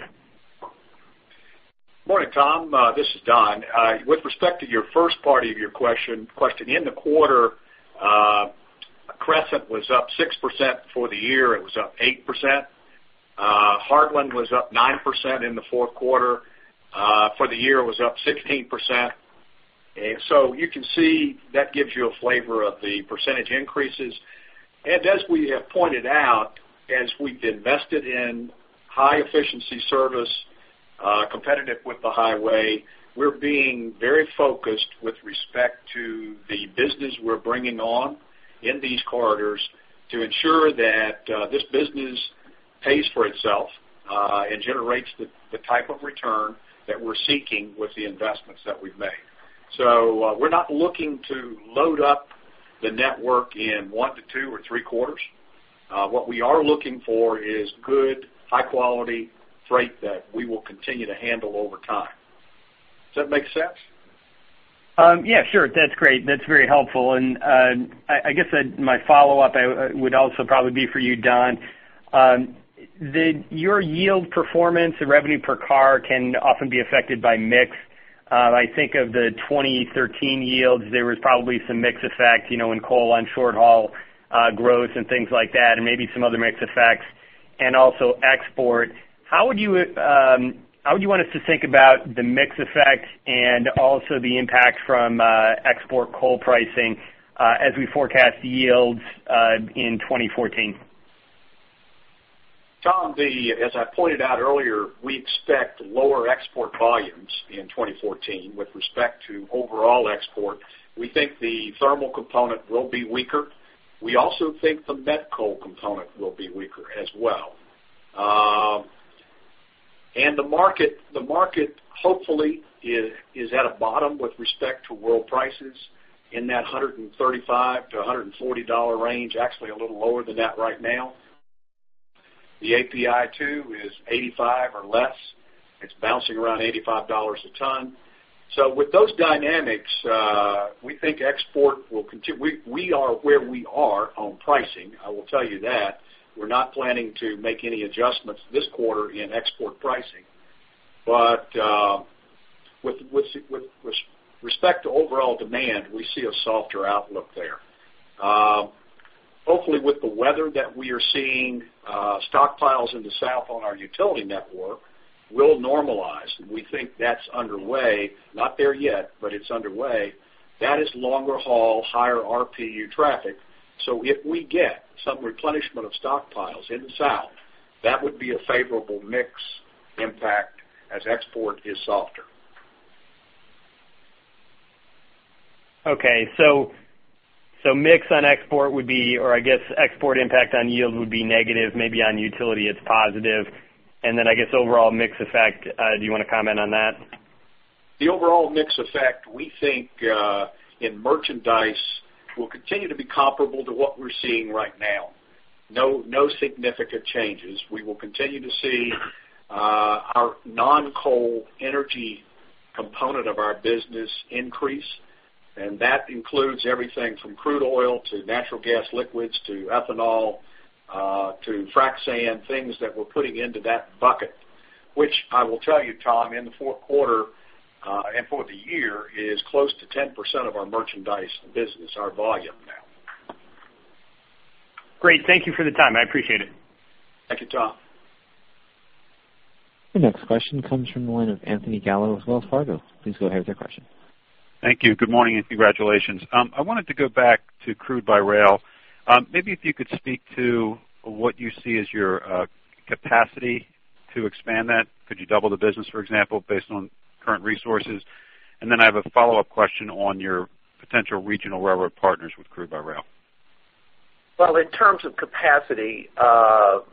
Morning, Tom. This is Don. With respect to your first part of your question, in the quarter, Crescent was up 6%. For the year, it was up 8%. Heartland was up 9% in the fourth quarter. For the year, it was up 16%.... And so you can see that gives you a flavor of the percentage increases. And as we have pointed out, as we've invested in high efficiency service, competitive with the highway, we're being very focused with respect to the business we're bringing on in these corridors to ensure that this business pays for itself and generates the type of return that we're seeking with the investments that we've made. So we're not looking to load up the network in one to two or three quarters. What we are looking for is good, high-quality freight that we will continue to handle over time. Does that make sense? Yeah, sure. That's great. That's very helpful. And, I guess, my follow-up would also probably be for you, Don. Your yield performance and revenue per car can often be affected by mix. I think of the 2013 yields, there was probably some mix effect, you know, in coal, on short haul, growth and things like that, and maybe some other mix effects and also export. How would you, how would you want us to think about the mix effect and also the impact from, export coal pricing, as we forecast yields, in 2014? Tom, as I pointed out earlier, we expect lower export volumes in 2014 with respect to overall export. We think the thermal component will be weaker. We also think the met coal component will be weaker as well. And the market hopefully is at a bottom with respect to world prices in that $135-$140 range, actually a little lower than that right now. The API2 is 85 or less. It's bouncing around $85 a ton. So with those dynamics, we think export will continue. We are where we are on pricing, I will tell you that. We're not planning to make any adjustments this quarter in export pricing. But, with respect to overall demand, we see a softer outlook there. Hopefully, with the weather that we are seeing, stockpiles in the South on our utility network will normalize, and we think that's underway, not there yet, but it's underway. That is longer haul, higher RPU traffic. So if we get some replenishment of stockpiles in the South, that would be a favorable mix impact as export is softer. Okay, so mix on export would be, or I guess, export impact on yield would be negative, maybe on utility, it's positive. And then I guess, overall mix effect, do you wanna comment on that? The overall mix effect, we think, in merchandise, will continue to be comparable to what we're seeing right now. No, no significant changes. We will continue to see, our non-coal energy component of our business increase, and that includes everything from crude oil to natural gas liquids, to ethanol, to frac sand, things that we're putting into that bucket, which I will tell you, Tom, in the fourth quarter, and for the year, is close to 10% of our merchandise business, our volume now. Great. Thank you for the time. I appreciate it. Thank you, Tom. The next question comes from the line of Anthony Gallo of Wells Fargo. Please go ahead with your question. Thank you. Good morning, and congratulations. I wanted to go back to crude by rail. Maybe if you could speak to what you see as your capacity to expand that. Could you double the business, for example, based on current resources? And then I have a follow-up question on your potential regional railroad partners with crude by rail. Well, in terms of capacity, the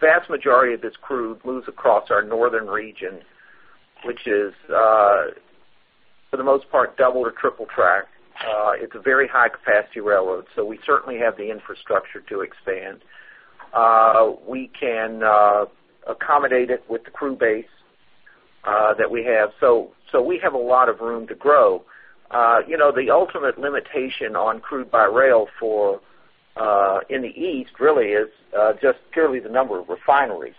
vast majority of this crude moves across our northern region, which is, for the most part, double or triple track. It's a very high capacity railroad, so we certainly have the infrastructure to expand. We can accommodate it with the crew base that we have. So we have a lot of room to grow. You know, the ultimate limitation on crude by rail in the east really is just purely the number of refineries.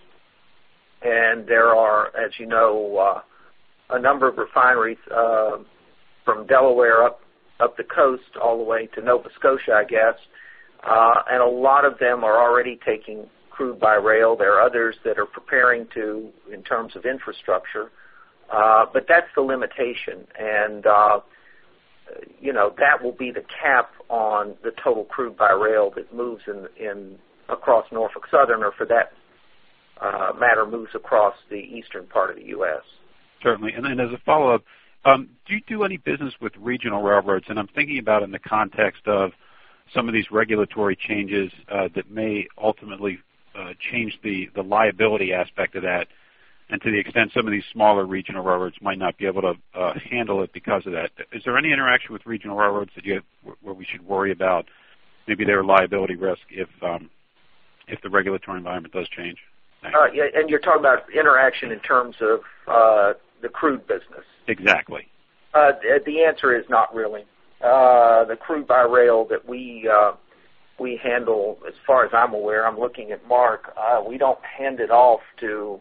And there are, as you know, a number of refineries from Delaware up the coast, all the way to Nova Scotia, I guess, and a lot of them are already taking crude by rail. There are others that are preparing to, in terms of infrastructure, but that's the limitation. You know, that will be the cap on the total crude by rail that moves in across Norfolk Southern, or for that matter, moves across the eastern part of the U.S. Certainly. And then as a follow-up, do you do any business with regional railroads? And I'm thinking about in the context of some of these regulatory changes that may ultimately change the liability aspect of that, and to the extent some of these smaller regional railroads might not be able to handle it because of that. Is there any interaction with regional railroads that you have, where we should worry about maybe their liability risk if the regulatory environment does change? Yeah, and you're talking about interaction in terms of the crude business? Exactly. The answer is not really. The crude by rail that we handle, as far as I'm aware, I'm looking at Mark, we don't hand it off to...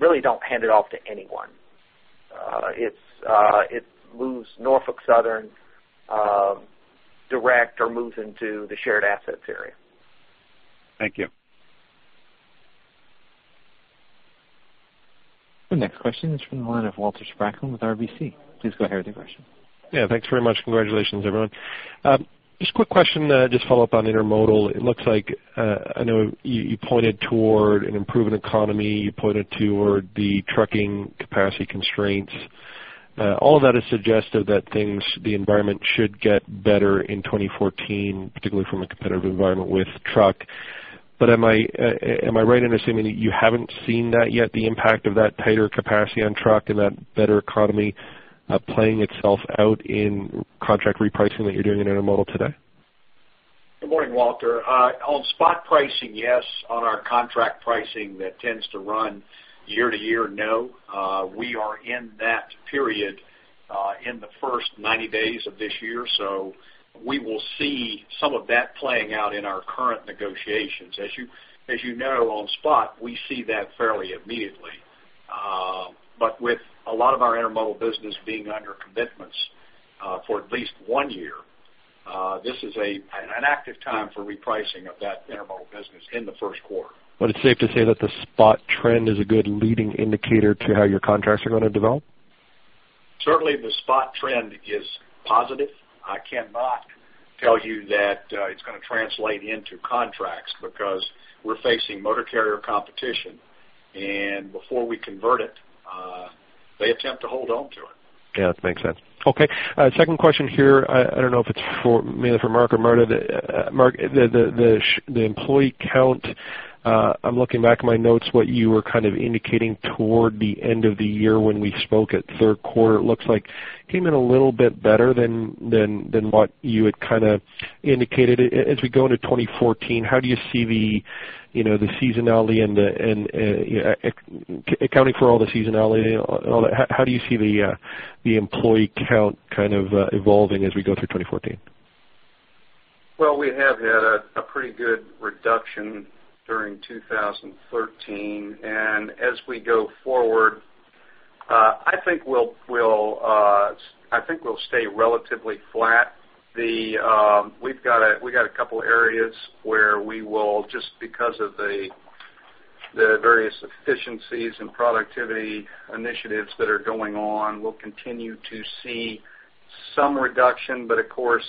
Really don't hand it off to anyone. It's, it moves Norfolk Southern, direct or moves into the Shared Assets Area. Thank you. The next question is from the line of Walter Spracklin with RBC. Please go ahead with your question. Yeah, thanks very much. Congratulations, everyone. Just a quick question, just follow up on intermodal. It looks like, I know you, you pointed toward an improving economy. You pointed toward the trucking capacity constraints. All of that is suggestive that things, the environment should get better in 2014, particularly from a competitive environment with truck. But am I, am I right in assuming that you haven't seen that yet, the impact of that tighter capacity on truck and that better economy, playing itself out in contract repricing that you're doing in intermodal today? Good morning, Walter. On spot pricing, yes. On our contract pricing that tends to run year to year, no. We are in that period in the first 90 days of this year, so we will see some of that playing out in our current negotiations. As you, as you know, on spot, we see that fairly immediately. But with a lot of our intermodal business being under commitments for at least 1 year, this is an active time for repricing of that intermodal business in the first quarter. It's safe to say that the spot trend is a good leading indicator to how your contracts are gonna develop? Certainly, the spot trend is positive. I cannot tell you that it's gonna translate into contracts because we're facing motor carrier competition, and before we convert it, they attempt to hold on to it. Yeah, that makes sense. Okay, second question here. I don't know if it's for, mainly for Mark or Marta. Mark, the employee count, I'm looking back at my notes, what you were kind of indicating toward the end of the year when we spoke at third quarter. It looks like came in a little bit better than what you had kinda indicated. As we go into 2014, how do you see the, you know, the seasonality and the, and accounting for all the seasonality and all that, how do you see the employee count kind of evolving as we go through 2014? Well, we have had a pretty good reduction during 2013, and as we go forward, I think we'll stay relatively flat. We've got a couple areas where we will, just because of the various efficiencies and productivity initiatives that are going on, we'll continue to see some reduction. But of course,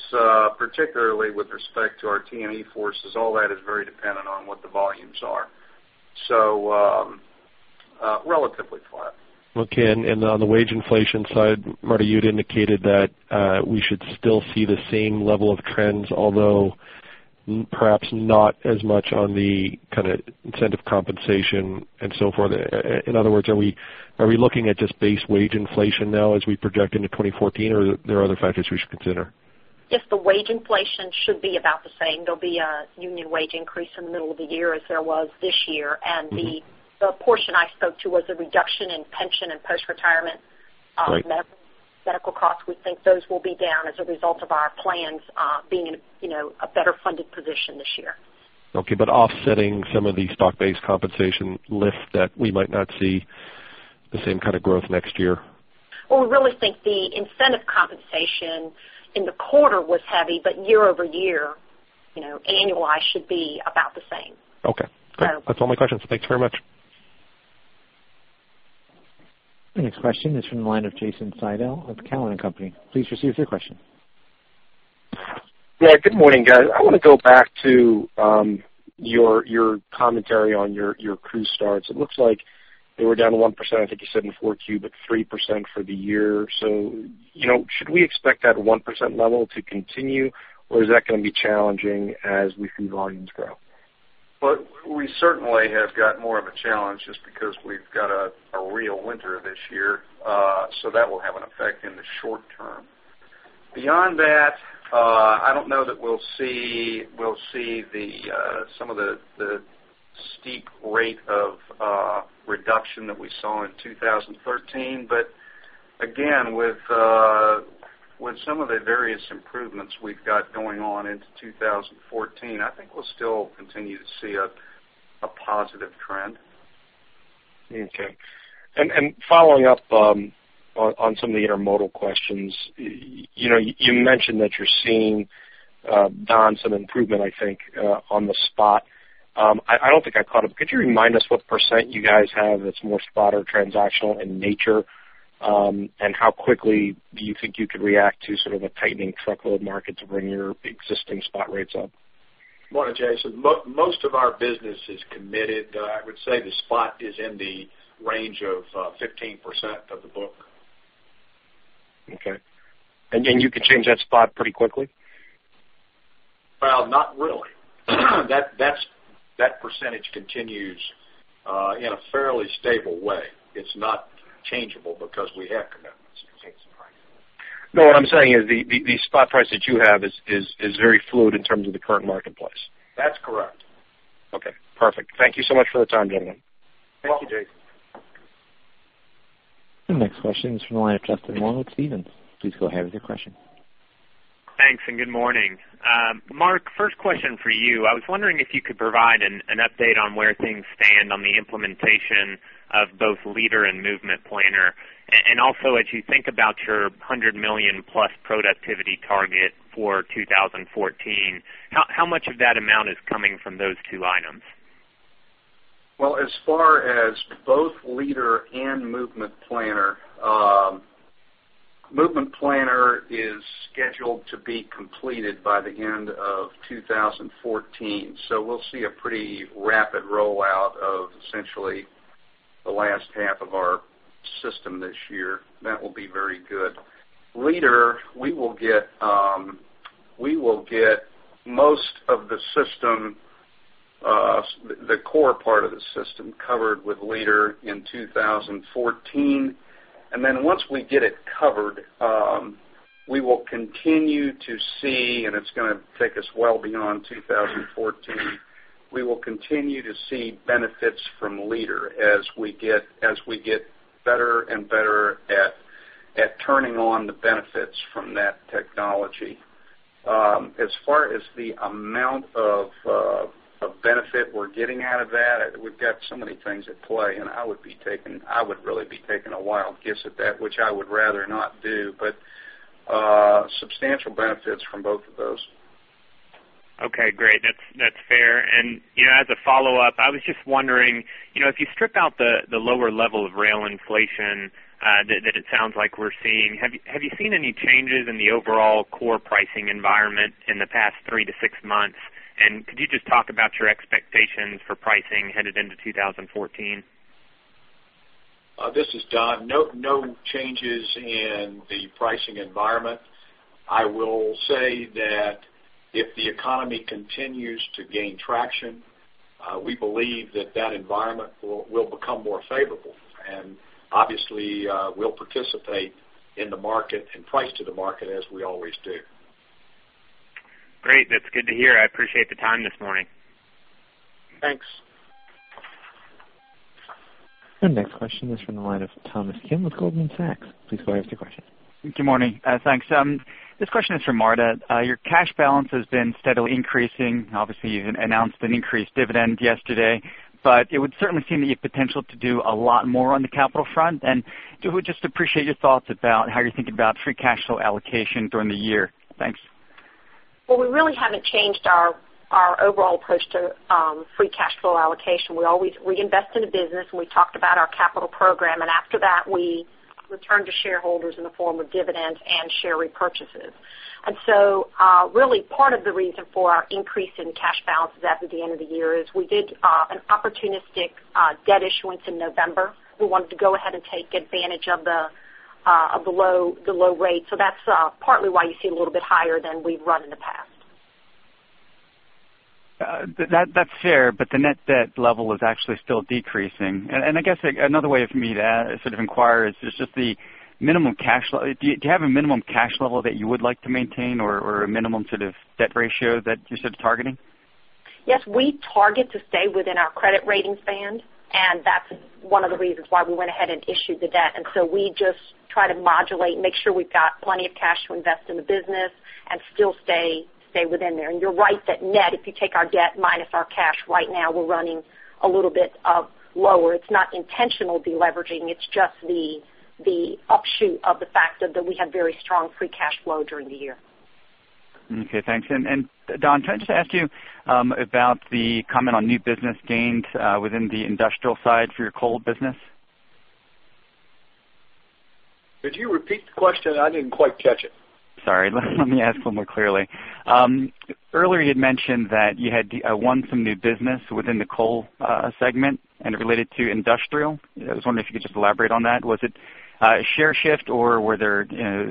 particularly with respect to our T&E forces, all that is very dependent on what the volumes are. So, relatively flat. Okay. And on the wage inflation side, Marta, you'd indicated that we should still see the same level of trends, although perhaps not as much on the kinda incentive compensation and so forth. In other words, are we looking at just base wage inflation now as we project into 2014, or are there other factors we should consider? Yes, the wage inflation should be about the same. There'll be a union wage increase in the middle of the year, as there was this year. Mm-hmm. The portion I spoke to was a reduction in pension and post-retirement. Right... medical costs. We think those will be down as a result of our plans, being in, you know, a better funded position this year. Okay, but offsetting some of the stock-based compensation lift, that we might not see the same kind of growth next year? Well, we really think the incentive compensation in the quarter was heavy, but year-over-year, you know, annualized should be about the same. Okay. So- Great. That's all my questions. Thanks very much. The next question is from the line of Jason Seidl of Cowen and Company. Please proceed with your question. Yeah, good morning, guys. I wanna go back to your commentary on your crew starts. It looks like they were down 1%, I think you said in 4Q, but 3% for the year. So, you know, should we expect that 1% level to continue, or is that gonna be challenging as we see volumes grow? Well, we certainly have got more of a challenge just because we've got a real winter this year, so that will have an effect in the short term. Beyond that, I don't know that we'll see some of the steep rate of reduction that we saw in 2013. But again, with some of the various improvements we've got going on into 2014, I think we'll still continue to see a positive trend. Okay. And following up on some of the intermodal questions, you know, you mentioned that you're seeing, Don, some improvement, I think, on the spot. I don't think I caught it, but could you remind us what percent you guys have that's more spot or transactional in nature? And how quickly do you think you could react to sort of a tightening truckload market to bring your existing spot rates up? Good morning, Jason. Most of our business is committed. I would say the spot is in the range of 15% of the book. Okay. And you can change that spot pretty quickly? Well, not really. That percentage continues in a fairly stable way. It's not changeable because we have commitments in place. No, what I'm saying is the spot price that you have is very fluid in terms of the current marketplace. That's correct. Okay, perfect. Thank you so much for the time, gentlemen. Thank you, Jason. The next question is from the line of Justin Long with Stephens. Please go ahead with your question. Thanks, and good morning. Mark, first question for you. I was wondering if you could provide an update on where things stand on the implementation of both LEADER and Movement Planner. And also, as you think about your $100 million plus productivity target for 2014, how much of that amount is coming from those two items? ...Well, as far as both LEADER and Movement Planner, Movement Planner is scheduled to be completed by the end of 2014. So we'll see a pretty rapid rollout of essentially the last half of our system this year. That will be very good. LEADER, we will get most of the system, the core part of the system covered with LEADER in 2014. And then once we get it covered, we will continue to see, and it's gonna take us well beyond 2014, we will continue to see benefits from LEADER as we get better and better at turning on the benefits from that technology. As far as the amount of benefit we're getting out of that, we've got so many things at play, and I would really be taking a wild guess at that, which I would rather not do, but substantial benefits from both of those. Okay, great. That's fair. And, you know, as a follow-up, I was just wondering, you know, if you strip out the lower level of rail inflation that it sounds like we're seeing, have you seen any changes in the overall core pricing environment in the past three to six months? And could you just talk about your expectations for pricing headed into 2014? This is Don. No, no changes in the pricing environment. I will say that if the economy continues to gain traction, we believe that that environment will, will become more favorable. And obviously, we'll participate in the market and price to the market as we always do. Great. That's good to hear. I appreciate the time this morning. Thanks. The next question is from the line of Thomas Kim with Goldman Sachs. Please go ahead with your question. Good morning. Thanks. This question is for Marta. Your cash balance has been steadily increasing. Obviously, you announced an increased dividend yesterday, but it would certainly seem that you have potential to do a lot more on the capital front. And so I would just appreciate your thoughts about how you're thinking about free cash flow allocation during the year. Thanks. Well, we really haven't changed our, our overall approach to, free cash flow allocation. We always, we invest in the business, and we talked about our capital program, and after that, we return to shareholders in the form of dividends and share repurchases. And so, really, part of the reason for our increase in cash balances at the end of the year is we did, an opportunistic, debt issuance in November. We wanted to go ahead and take advantage of the, of the low, the low rates. So that's, partly why you see a little bit higher than we've run in the past. That's fair, but the net debt level is actually still decreasing. And I guess another way for me to sort of inquire is just the minimum cash level. Do you have a minimum cash level that you would like to maintain or a minimum sort of debt ratio that you're sort of targeting? Yes, we target to stay within our credit rating band, and that's one of the reasons why we went ahead and issued the debt. And so we just try to modulate, make sure we've got plenty of cash to invest in the business and still stay within there. And you're right that net, if you take our debt minus our cash, right now, we're running a little bit lower. It's not intentional deleveraging; it's just the upshot of the fact that we had very strong free cash flow during the year. Okay, thanks. And, Don, can I just ask you about the comment on new business gains within the industrial side for your coal business? Could you repeat the question? I didn't quite catch it. Sorry, let me ask a little more clearly. Earlier, you'd mentioned that you had won some new business within the coal segment and related to industrial. I was wondering if you could just elaborate on that. Was it share shift or were there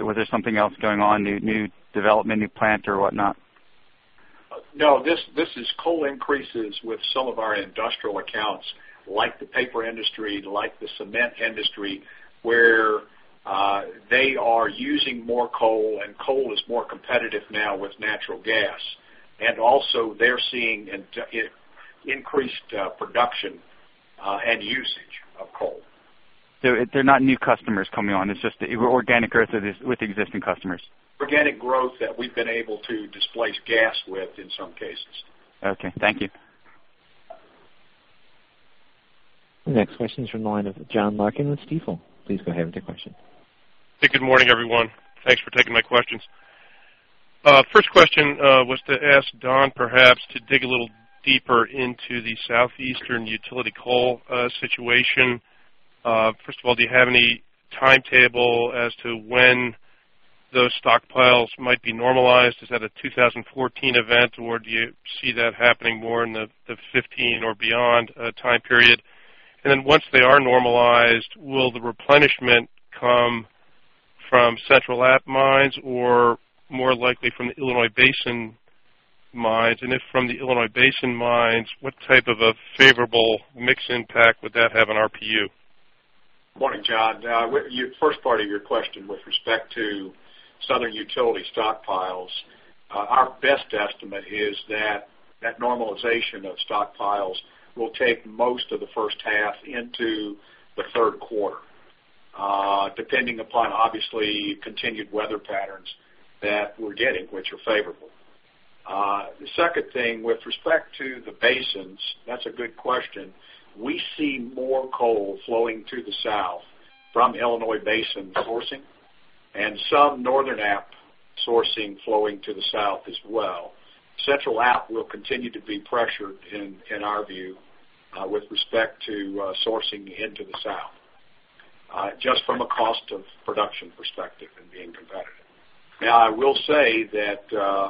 was there something else going on, new new development, new plant or whatnot? No, this, this is coal increases with some of our industrial accounts, like the paper industry, like the cement industry, where they are using more coal, and coal is more competitive now with natural gas. And also, they're seeing increased production and usage of coal. So they're not new customers coming on, it's just organic growth with existing customers? Organic growth that we've been able to displace gas with in some cases. Okay, thank you. The next question is from the line of John Larkin with Stifel. Please go ahead with your question. Good morning, everyone. Thanks for taking my questions. First question was to ask Don, perhaps to dig a little deeper into the Southeastern utility coal situation. First of all, do you have any timetable as to when those stockpiles might be normalized? Is that a 2014 event, or do you see that happening more in the 2015 or beyond time period? And then once they are normalized, will the replenishment come from Central App mines or more likely from the Illinois Basin mines? And if from the Illinois Basin mines, what type of a favorable mix impact would that have on RPU? Morning, John. Your first part of your question with respect to southern utility stockpiles, our best estimate is that that normalization of stockpiles will take most of the first half into the third quarter, depending upon obviously, continued weather patterns that we're getting, which are favorable. The second thing, with respect to the basins, that's a good question. We see more coal flowing to the South from Illinois Basin sourcing.... and some Northern App sourcing flowing to the South as well. Central App will continue to be pressured in our view, with respect to sourcing into the South, just from a cost of production perspective and being competitive. Now, I will say that,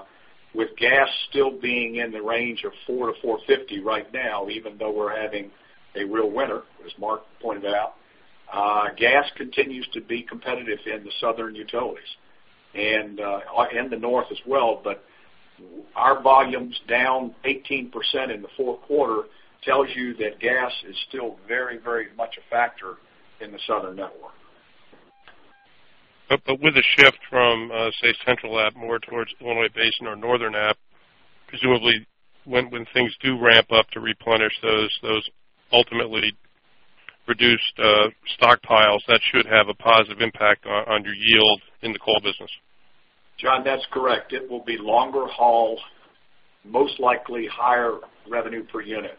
with gas still being in the range of $4-$4.50 right now, even though we're having a real winter, as Mark pointed out, gas continues to be competitive in the southern utilities, and in the North as well. But our volumes down 18% in the fourth quarter tells you that gas is still very, very much a factor in the southern network. But with a shift from, say, Central App, more towards Illinois Basin or Northern App, presumably, when things do ramp up to replenish those ultimately reduced stockpiles, that should have a positive impact on your yield in the coal business. John, that's correct. It will be longer haul, most likely higher revenue per unit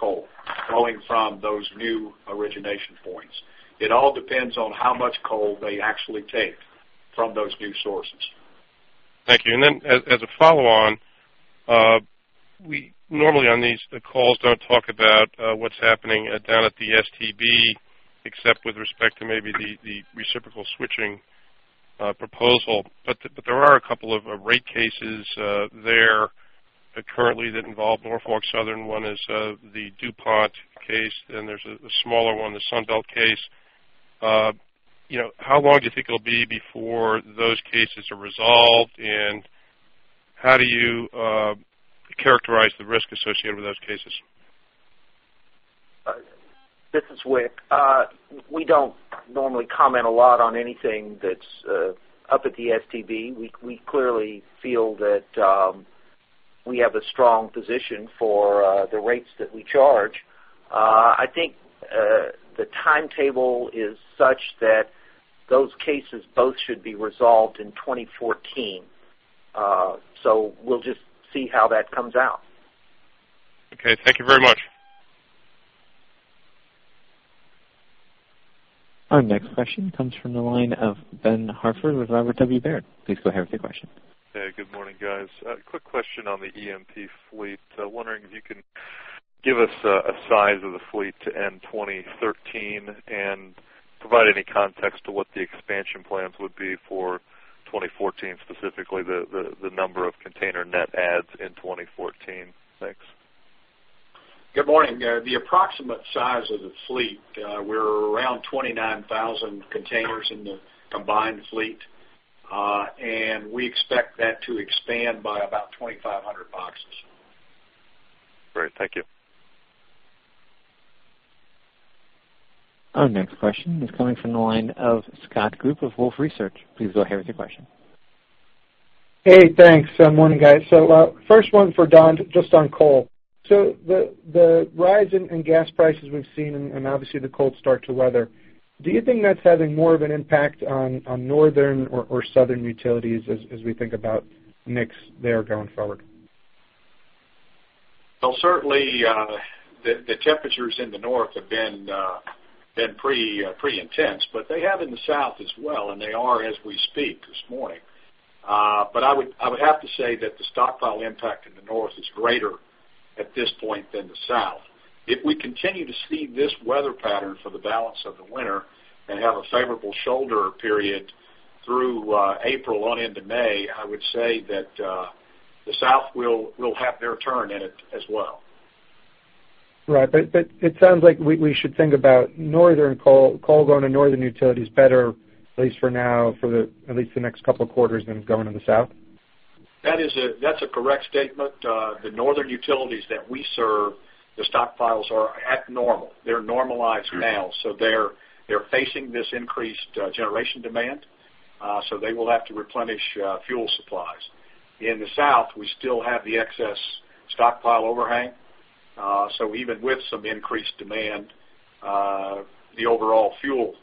coal, going from those new origination points. It all depends on how much coal they actually take from those new sources. Thank you. And then as a follow on, we normally on these calls don't talk about what's happening down at the STB, except with respect to maybe the reciprocal switching proposal. But there are a couple of rate cases there currently that involve Norfolk Southern. One is the DuPont case, then there's a smaller one, the Sunbelt case. You know, how long do you think it'll be before those cases are resolved? And how do you characterize the risk associated with those cases? This is Wick. We don't normally comment a lot on anything that's up at the STB. We clearly feel that we have a strong position for the rates that we charge. I think the timetable is such that those cases both should be resolved in 2014. So we'll just see how that comes out. Okay, thank you very much. Our next question comes from the line of Ben Hartford with Robert W. Baird. Please go ahead with your question. Hey, good morning, guys. Quick question on the EMP fleet. Wondering if you can give us a size of the fleet to end 2013 and provide any context to what the expansion plans would be for 2014, specifically the number of container net adds in 2014. Thanks. Good morning. The approximate size of the fleet, we're around 29,000 containers in the combined fleet. We expect that to expand by about 2,500 boxes. Great. Thank you. Our next question is coming from the line of Scott Group with Wolfe Research. Please go ahead with your question. Hey, thanks. Morning, guys. So, first one for Don, just on coal. So the rise in gas prices we've seen, and obviously the cold start to weather, do you think that's having more of an impact on northern or southern utilities as we think about mix there going forward? Well, certainly, the temperatures in the North have been pretty intense, but they have in the South as well, and they are as we speak this morning. But I would have to say that the stockpile impact in the North is greater at this point than the South. If we continue to see this weather pattern for the balance of the winter and have a favorable shoulder period through April on into May, I would say that the South will have their turn in it as well. Right. But it sounds like we should think about northern coal going to northern utility is better, at least for now, at least the next couple of quarters than going in the South? That is a correct statement. The northern utilities that we serve, the stockpiles are at normal. They're normalized now, so they're facing this increased generation demand, so they will have to replenish fuel supplies. In the South, we still have the excess stockpile overhang, so even with some increased demand, the overall fuel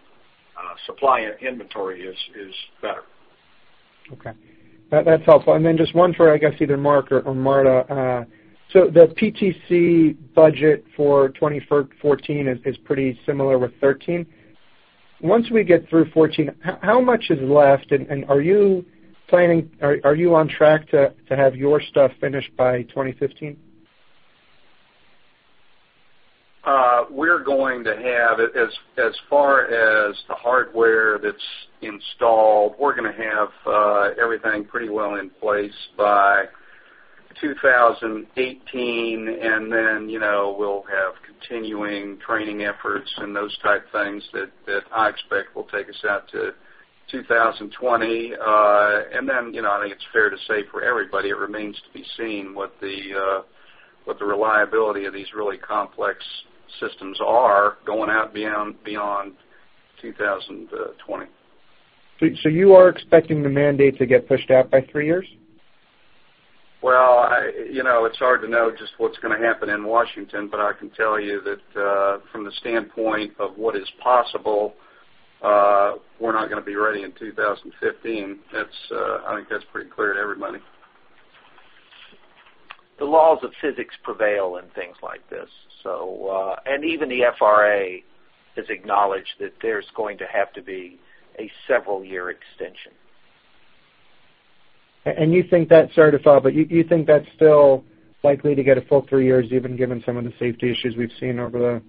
supply and inventory is better. Okay, that's helpful. Then just one for, I guess, either Mark or Marta. So the PTC budget for 2014 is pretty similar with 2013. Once we get through 2014, how much is left, and are you planning - are you on track to have your stuff finished by 2015? We're going to have, as far as the hardware that's installed, we're gonna have everything pretty well in place by 2018, and then, you know, we'll have continuing training efforts and those type things that I expect will take us out to 2020. And then, you know, I think it's fair to say for everybody, it remains to be seen what the reliability of these really complex systems are going out beyond 2020. So, you are expecting the mandate to get pushed out by three years? Well, you know, it's hard to know just what's gonna happen in Washington, but I can tell you that, from the standpoint of what is possible, we're not gonna be ready in 2015. That's, I think that's pretty clear to everybody.... the laws of physics prevail in things like this. So, and even the FRA has acknowledged that there's going to have to be a several year extension. And you think that, sorry to follow up, but you, you think that's still likely to get a full three years, even given some of the safety issues we've seen over the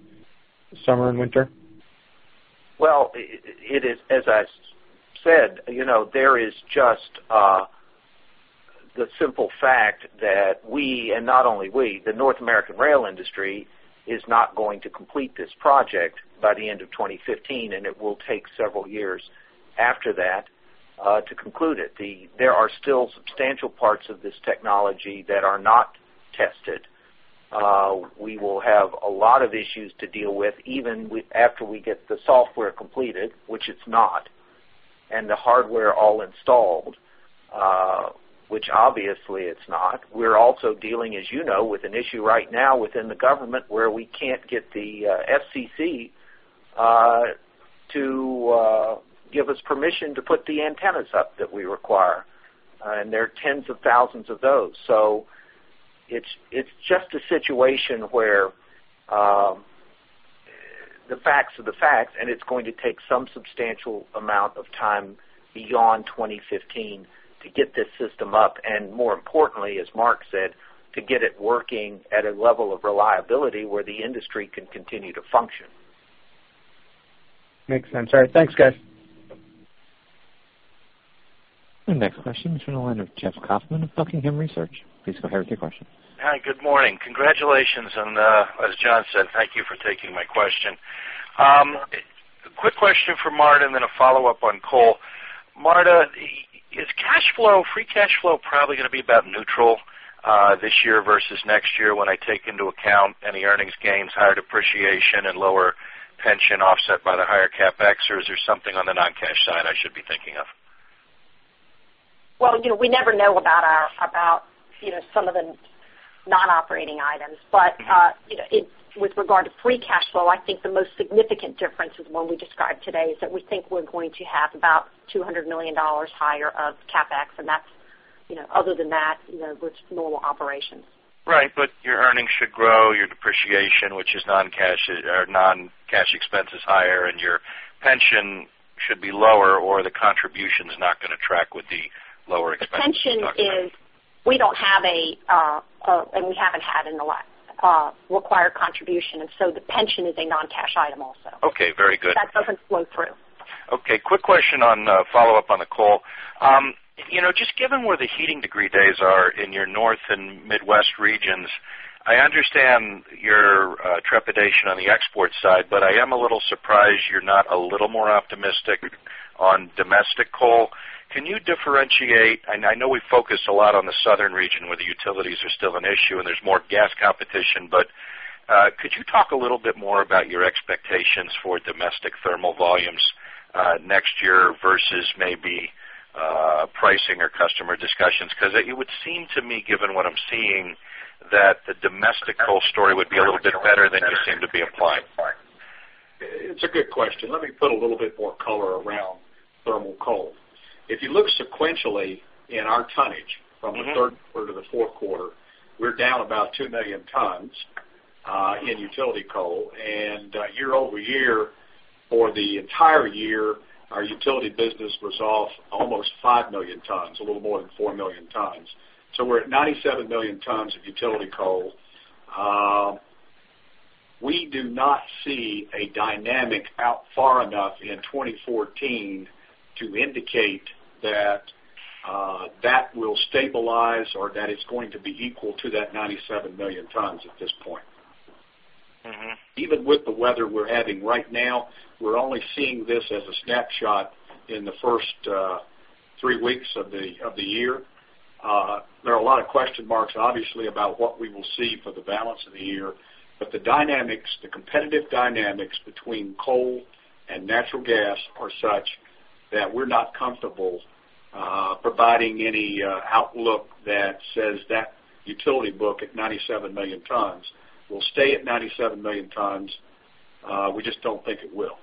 summer and winter? Well, it is, as I said, you know, there is just the simple fact that we, and not only we, the North American rail industry, is not going to complete this project by the end of 2015, and it will take several years after that to conclude it. There are still substantial parts of this technology that are not tested. We will have a lot of issues to deal with, even after we get the software completed, which it's not, and the hardware all installed, which obviously it's not. We're also dealing, as you know, with an issue right now within the government, where we can't get the FCC to give us permission to put the antennas up that we require. And there are tens of thousands of those. So it's just a situation where the facts are the facts, and it's going to take some substantial amount of time beyond 2015 to get this system up, and more importantly, as Mark said, to get it working at a level of reliability where the industry can continue to function. Makes sense. All right, thanks, guys. The next question is from the line of Jeff Kauffman of Buckingham Research. Please go ahead with your question. Hi, good morning. Congratulations, and as John said, thank you for taking my question. A quick question for Marta, and then a follow-up on coal. Marta, is cash flow, free cash flow probably gonna be about neutral this year versus next year, when I take into account any earnings gains, higher depreciation, and lower pension offset by the higher CapEx, or is there something on the non-cash side I should be thinking of? Well, you know, we never know about, about, you know, some of the non-operating items. But, you know, it with regard to free cash flow, I think the most significant difference is the one we described today, is that we think we're going to have about $200 million higher of CapEx, and that's, you know, other than that, you know, with normal operations. Right. But your earnings should grow, your depreciation, which is non-cash, or non-cash expense is higher, and your pension should be lower, or the contribution's not gonna track with the lower expenses you're talking about. The pension is, we don't have a, and we haven't had in the last required contribution, and so the pension is a non-cash item also. Okay, very good. That doesn't flow through. Okay, quick question on follow-up on the coal. You know, just given where the heating degree days are in your North and Midwest regions, I understand your trepidation on the export side, but I am a little surprised you're not a little more optimistic on domestic coal. Can you differentiate, and I know we focus a lot on the southern region, where the utilities are still an issue, and there's more gas competition, but could you talk a little bit more about your expectations for domestic thermal volumes next year versus maybe pricing or customer discussions? 'Cause it would seem to me, given what I'm seeing, that the domestic coal story would be a little bit better than you seem to be implying. It's a good question. Let me put a little bit more color around thermal coal. If you look sequentially in our tonnage- Mm-hmm. from the third quarter to the fourth quarter, we're down about 2 million tons in utility coal. And year-over-year, for the entire year, our utility business was off almost 5 million tons, a little more than 4 million tons. So we're at 97 million tons of utility coal. We do not see a dynamic out far enough in 2014 to indicate that that will stabilize or that it's going to be equal to that 97 million tons at this point. Mm-hmm. Even with the weather we're having right now, we're only seeing this as a snapshot in the first 3 weeks of the year. There are a lot of question marks, obviously, about what we will see for the balance of the year. But the dynamics, the competitive dynamics between coal and natural gas are such that we're not comfortable providing any outlook that says that utility book at 97 million tons will stay at 97 million tons. We just don't think it will.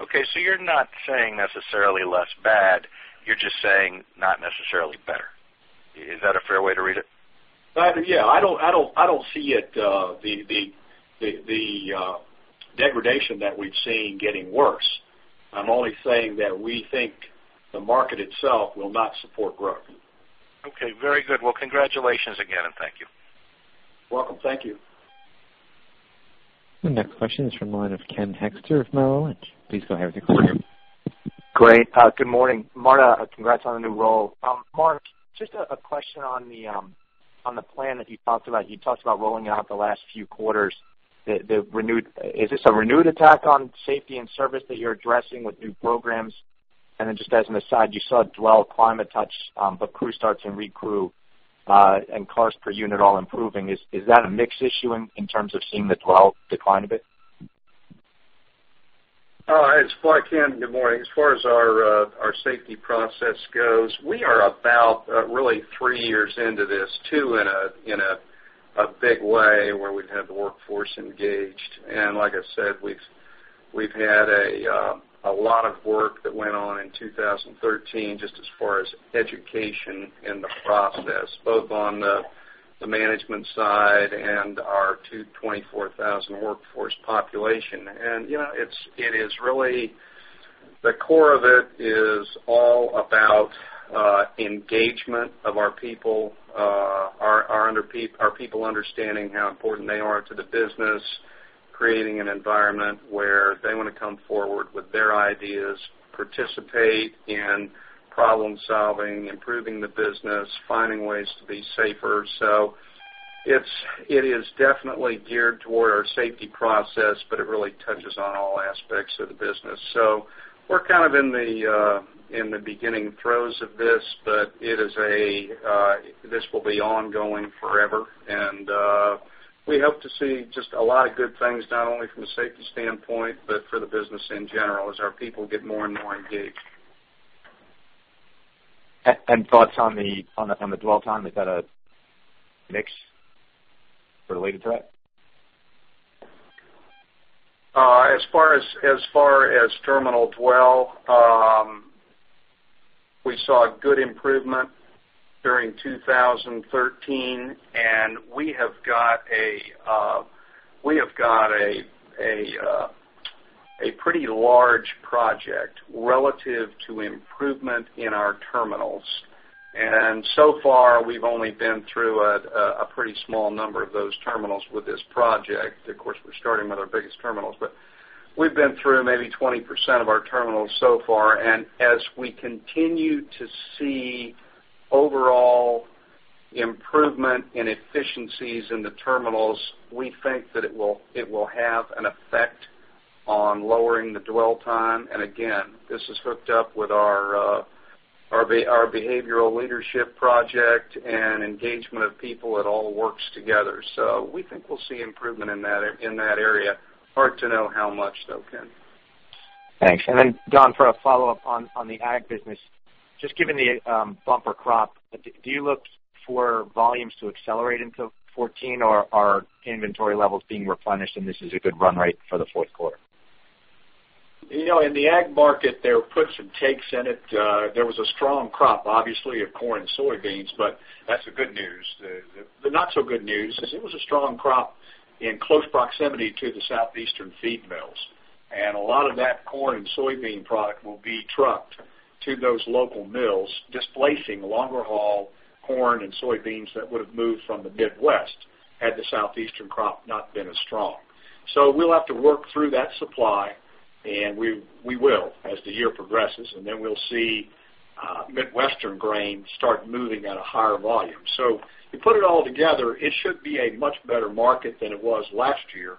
Okay, so you're not saying necessarily less bad, you're just saying not necessarily better. Is that a fair way to read it? Yeah, I don't see it, the degradation that we've seen getting worse. I'm only saying that we think the market itself will not support growth. Okay, very good. Well, congratulations again, and thank you. Welcome. Thank you. The next question is from the line of Ken Hoexter of Merrill Lynch. Please go ahead with your question. Great. Good morning. Marta, congrats on the new role. Mark, just a question on the plan that you talked about. You talked about rolling out the last few quarters, the renewed- is this a renewed attack on safety and service that you're addressing with new programs? And then, just as an aside, you saw dwell, cycle time, but crew starts and re-crew, and cars per unit all improving. Is that a mix issue in terms of seeing the dwell decline a bit? It's Mark, Ken. Good morning. As far as our safety process goes, we are about really three years into this, two in a big way, where we've had the workforce engaged. And like I said, we've-... We've had a lot of work that went on in 2013, just as far as education and the process, both on the management side and our 224,000 workforce population. And, you know, it is really the core of it is all about engagement of our people, our people understanding how important they are to the business, creating an environment where they want to come forward with their ideas, participate in problem-solving, improving the business, finding ways to be safer. So it is definitely geared toward our safety process, but it really touches on all aspects of the business. So we're kind of in the beginning throes of this, but it is, this will be ongoing forever. We hope to see just a lot of good things, not only from a safety standpoint, but for the business in general, as our people get more and more engaged. And thoughts on the dwell time. Is that a mix related to that? As far as, as far as terminal dwell, we saw a good improvement during 2013, and we have got a pretty large project relative to improvement in our terminals. And so far, we've only been through a pretty small number of those terminals with this project. Of course, we're starting with our biggest terminals, but we've been through maybe 20% of our terminals so far. And as we continue to see overall improvement in efficiencies in the terminals, we think that it will have an effect on lowering the dwell time. And again, this is hooked up with our behavioral leadership project and engagement of people. It all works together. So we think we'll see improvement in that area. Hard to know how much, though, Ken. Thanks. And then, Don, for a follow-up on the ag business, just given the bumper crop, do you look for volumes to accelerate into 2014, or are inventory levels being replenished, and this is a good run rate for the fourth quarter? You know, in the ag market, there are puts and takes in it. There was a strong crop, obviously, of corn and soybeans, but that's the good news. The not so good news is it was a strong crop in close proximity to the Southeastern feed mills. A lot of that corn and soybean product will be trucked to those local mills, displacing longer haul corn and soybeans that would have moved from the Midwest, had the Southeastern crop not been as strong. We'll have to work through that supply, and we will, as the year progresses, and then we'll see Midwestern grain start moving at a higher volume. You put it all together, it should be a much better market than it was last year,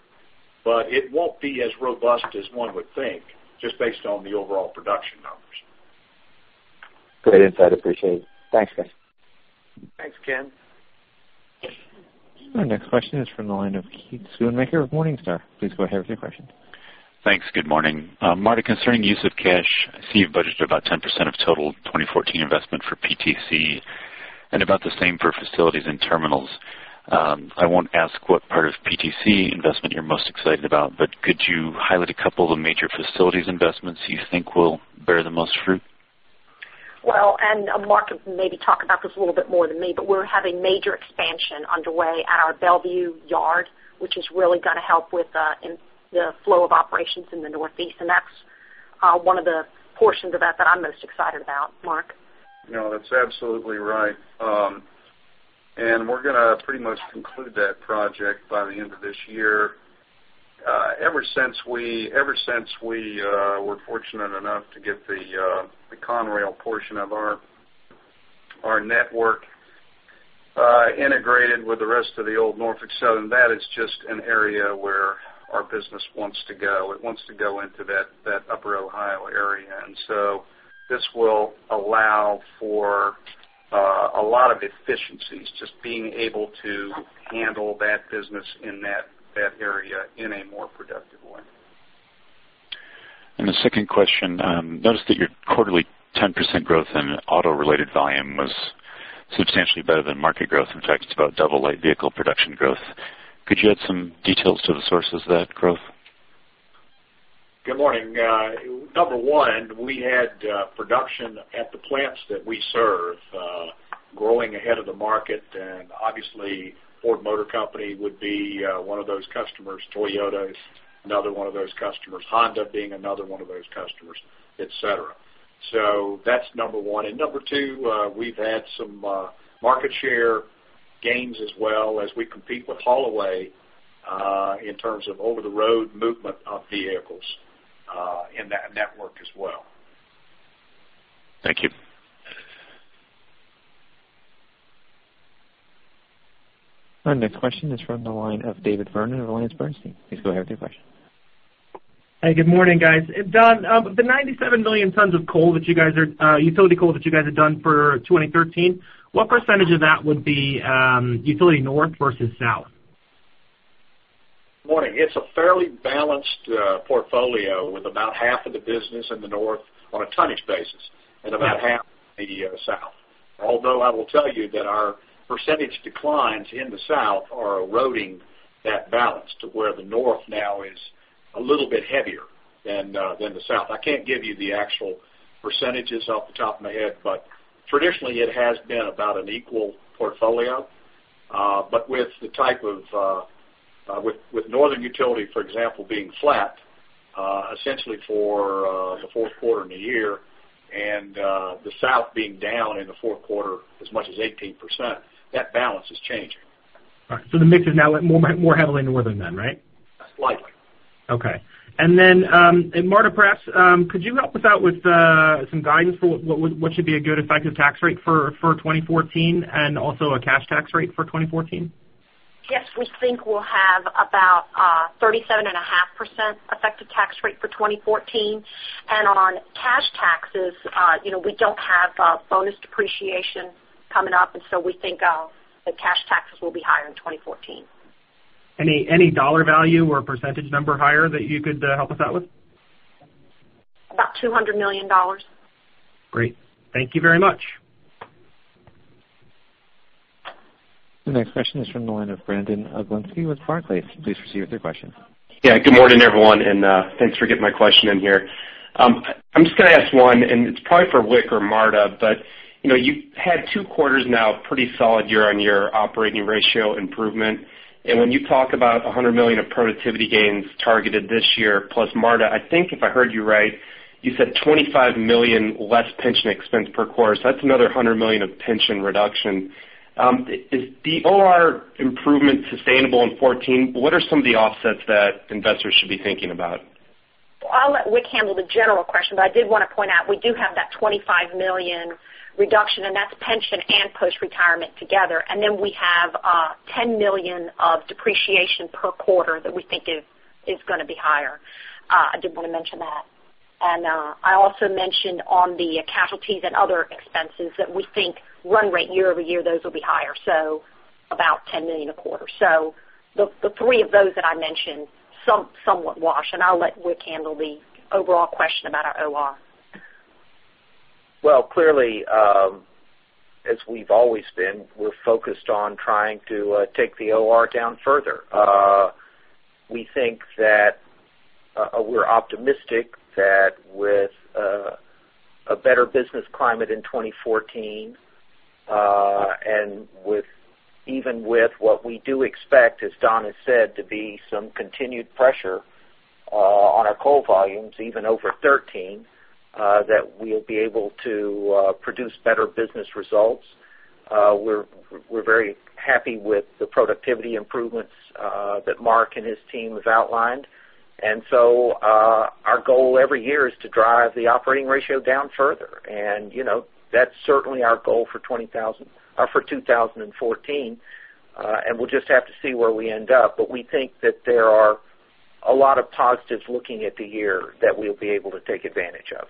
but it won't be as robust as one would think, just based on the overall production numbers. Great insight. Appreciate it. Thanks, guys. Thanks, Ken. Our next question is from the line of Keith Schoonmaker with Morningstar. Please go ahead with your question. Thanks. Good morning. Marta, concerning use of cash, I see you budgeted about 10% of total 2014 investment for PTC and about the same for facilities and terminals. I won't ask what part of PTC investment you're most excited about, but could you highlight a couple of major facilities investments you think will bear the most fruit? Well, and, Mark can maybe talk about this a little bit more than me, but we're having major expansion underway at our Bellevue Yard, which is really going to help with, in the flow of operations in the Northeast, and that's, one of the portions of that that I'm most excited about. Mark? You know, that's absolutely right. And we're going to pretty much conclude that project by the end of this year. Ever since we were fortunate enough to get the Conrail portion of our network integrated with the rest of the old Norfolk Southern, that is just an area where our business wants to go. It wants to go into that upper Ohio area. And so this will allow for a lot of efficiencies, just being able to handle that business in that area in a more productive way. The second question, noticed that your quarterly 10% growth in auto-related volume was substantially better than market growth, in fact, about double light vehicle production growth. Could you add some details to the sources of that growth? Good morning. Number one, we had production at the plants that we serve growing ahead of the market. And obviously, Ford Motor Company would be one of those customers. Toyota is another one of those customers, Honda being another one of those customers, et cetera. So that's number one. And number two, we've had some market share gains as well as we compete with haulaway in terms of over-the-road movement of vehicles in that network as well. Thank you. Our next question is from the line of David Vernon of AllianceBernstein. Please go ahead with your question. Hi, good morning, guys. Don, the 97 million tons of coal that you guys are utility coal that you guys have done for 2013, what percentage of that would be utility North versus South? Morning. It's a fairly balanced portfolio with about half of the business in the North on a tonnage basis and about half in the South.... Although I will tell you that our percentage declines in the South are eroding that balance to where the North now is a little bit heavier than the South. I can't give you the actual percentages off the top of my head, but traditionally it has been about an equal portfolio. But with the type of northern utility, for example, being flat, essentially for the fourth quarter and the year, and the South being down in the fourth quarter as much as 18%, that balance is changing. All right. So the mix is now more, more heavily northern than, right? Slightly. Okay. And then, and Marta, perhaps, could you help us out with some guidance for what should be a good effective tax rate for 2014 and also a cash tax rate for 2014? Yes, we think we'll have about 37.5% effective tax rate for 2014. And on cash taxes, you know, we don't have bonus depreciation coming up, and so we think the cash taxes will be higher in 2014. Any dollar value or percentage number higher that you could help us out with? About $200 million. Great. Thank you very much. The next question is from the line of Brandon Oglenski with Barclays. Please proceed with your question. Yeah, good morning, everyone, and thanks for getting my question in here. I'm just gonna ask one, and it's probably for Wick or Marta, but, you know, you've had 2 quarters now, pretty solid year-on-year operating ratio improvement. And when you talk about $100 million of productivity gains targeted this year, plus, Marta, I think if I heard you right, you said $25 million less pension expense per quarter. So that's another $100 million of pension reduction. Is the OR improvement sustainable in 2014? What are some of the offsets that investors should be thinking about? I'll let Wick handle the general question, but I did wanna point out, we do have that $25 million reduction, and that's pension and post-retirement together. And then we have $10 million of depreciation per quarter that we think is gonna be higher. I did wanna mention that. And I also mentioned on the casualties and other expenses that we think run rate year over year, those will be higher, so about $10 million a quarter. So the three of those that I mentioned, somewhat wash, and I'll let Wick handle the overall question about our OR. Well, clearly, as we've always been, we're focused on trying to take the OR down further. We think that we're optimistic that with a better business climate in 2014, and with, even with what we do expect, as Don has said, to be some continued pressure on our coal volumes, even over 2013, that we'll be able to produce better business results. We're very happy with the productivity improvements that Mark and his team have outlined. And so, our goal every year is to drive the operating ratio down further. And, you know, that's certainly our goal for 20,000, for 2014, and we'll just have to see where we end up. We think that there are a lot of positives looking at the year that we'll be able to take advantage of.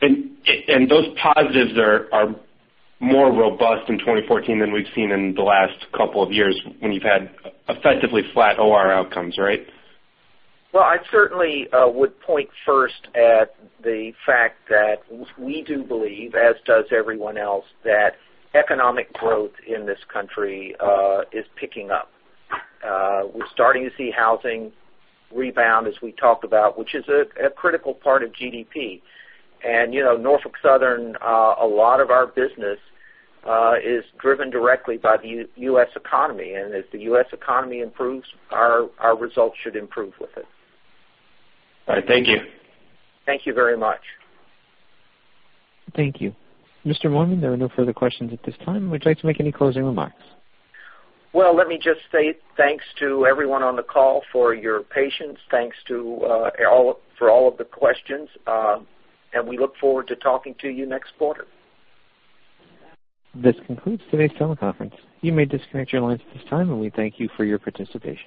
And those positives are more robust in 2014 than we've seen in the last couple of years, when you've had effectively flat OR outcomes, right? Well, I certainly would point first at the fact that we do believe, as does everyone else, that economic growth in this country is picking up. We're starting to see housing rebound, as we talked about, which is a critical part of GDP. And, you know, Norfolk Southern, a lot of our business is driven directly by the U.S. economy. And as the U.S. economy improves, our results should improve with it. All right. Thank you. Thank you very much. Thank you. Mr. Moorman, there are no further questions at this time. Would you like to make any closing remarks? Well, let me just say thanks to everyone on the call for your patience. Thanks to all for all of the questions. We look forward to talking to you next quarter. This concludes today's teleconference. You may disconnect your lines at this time, and we thank you for your participation.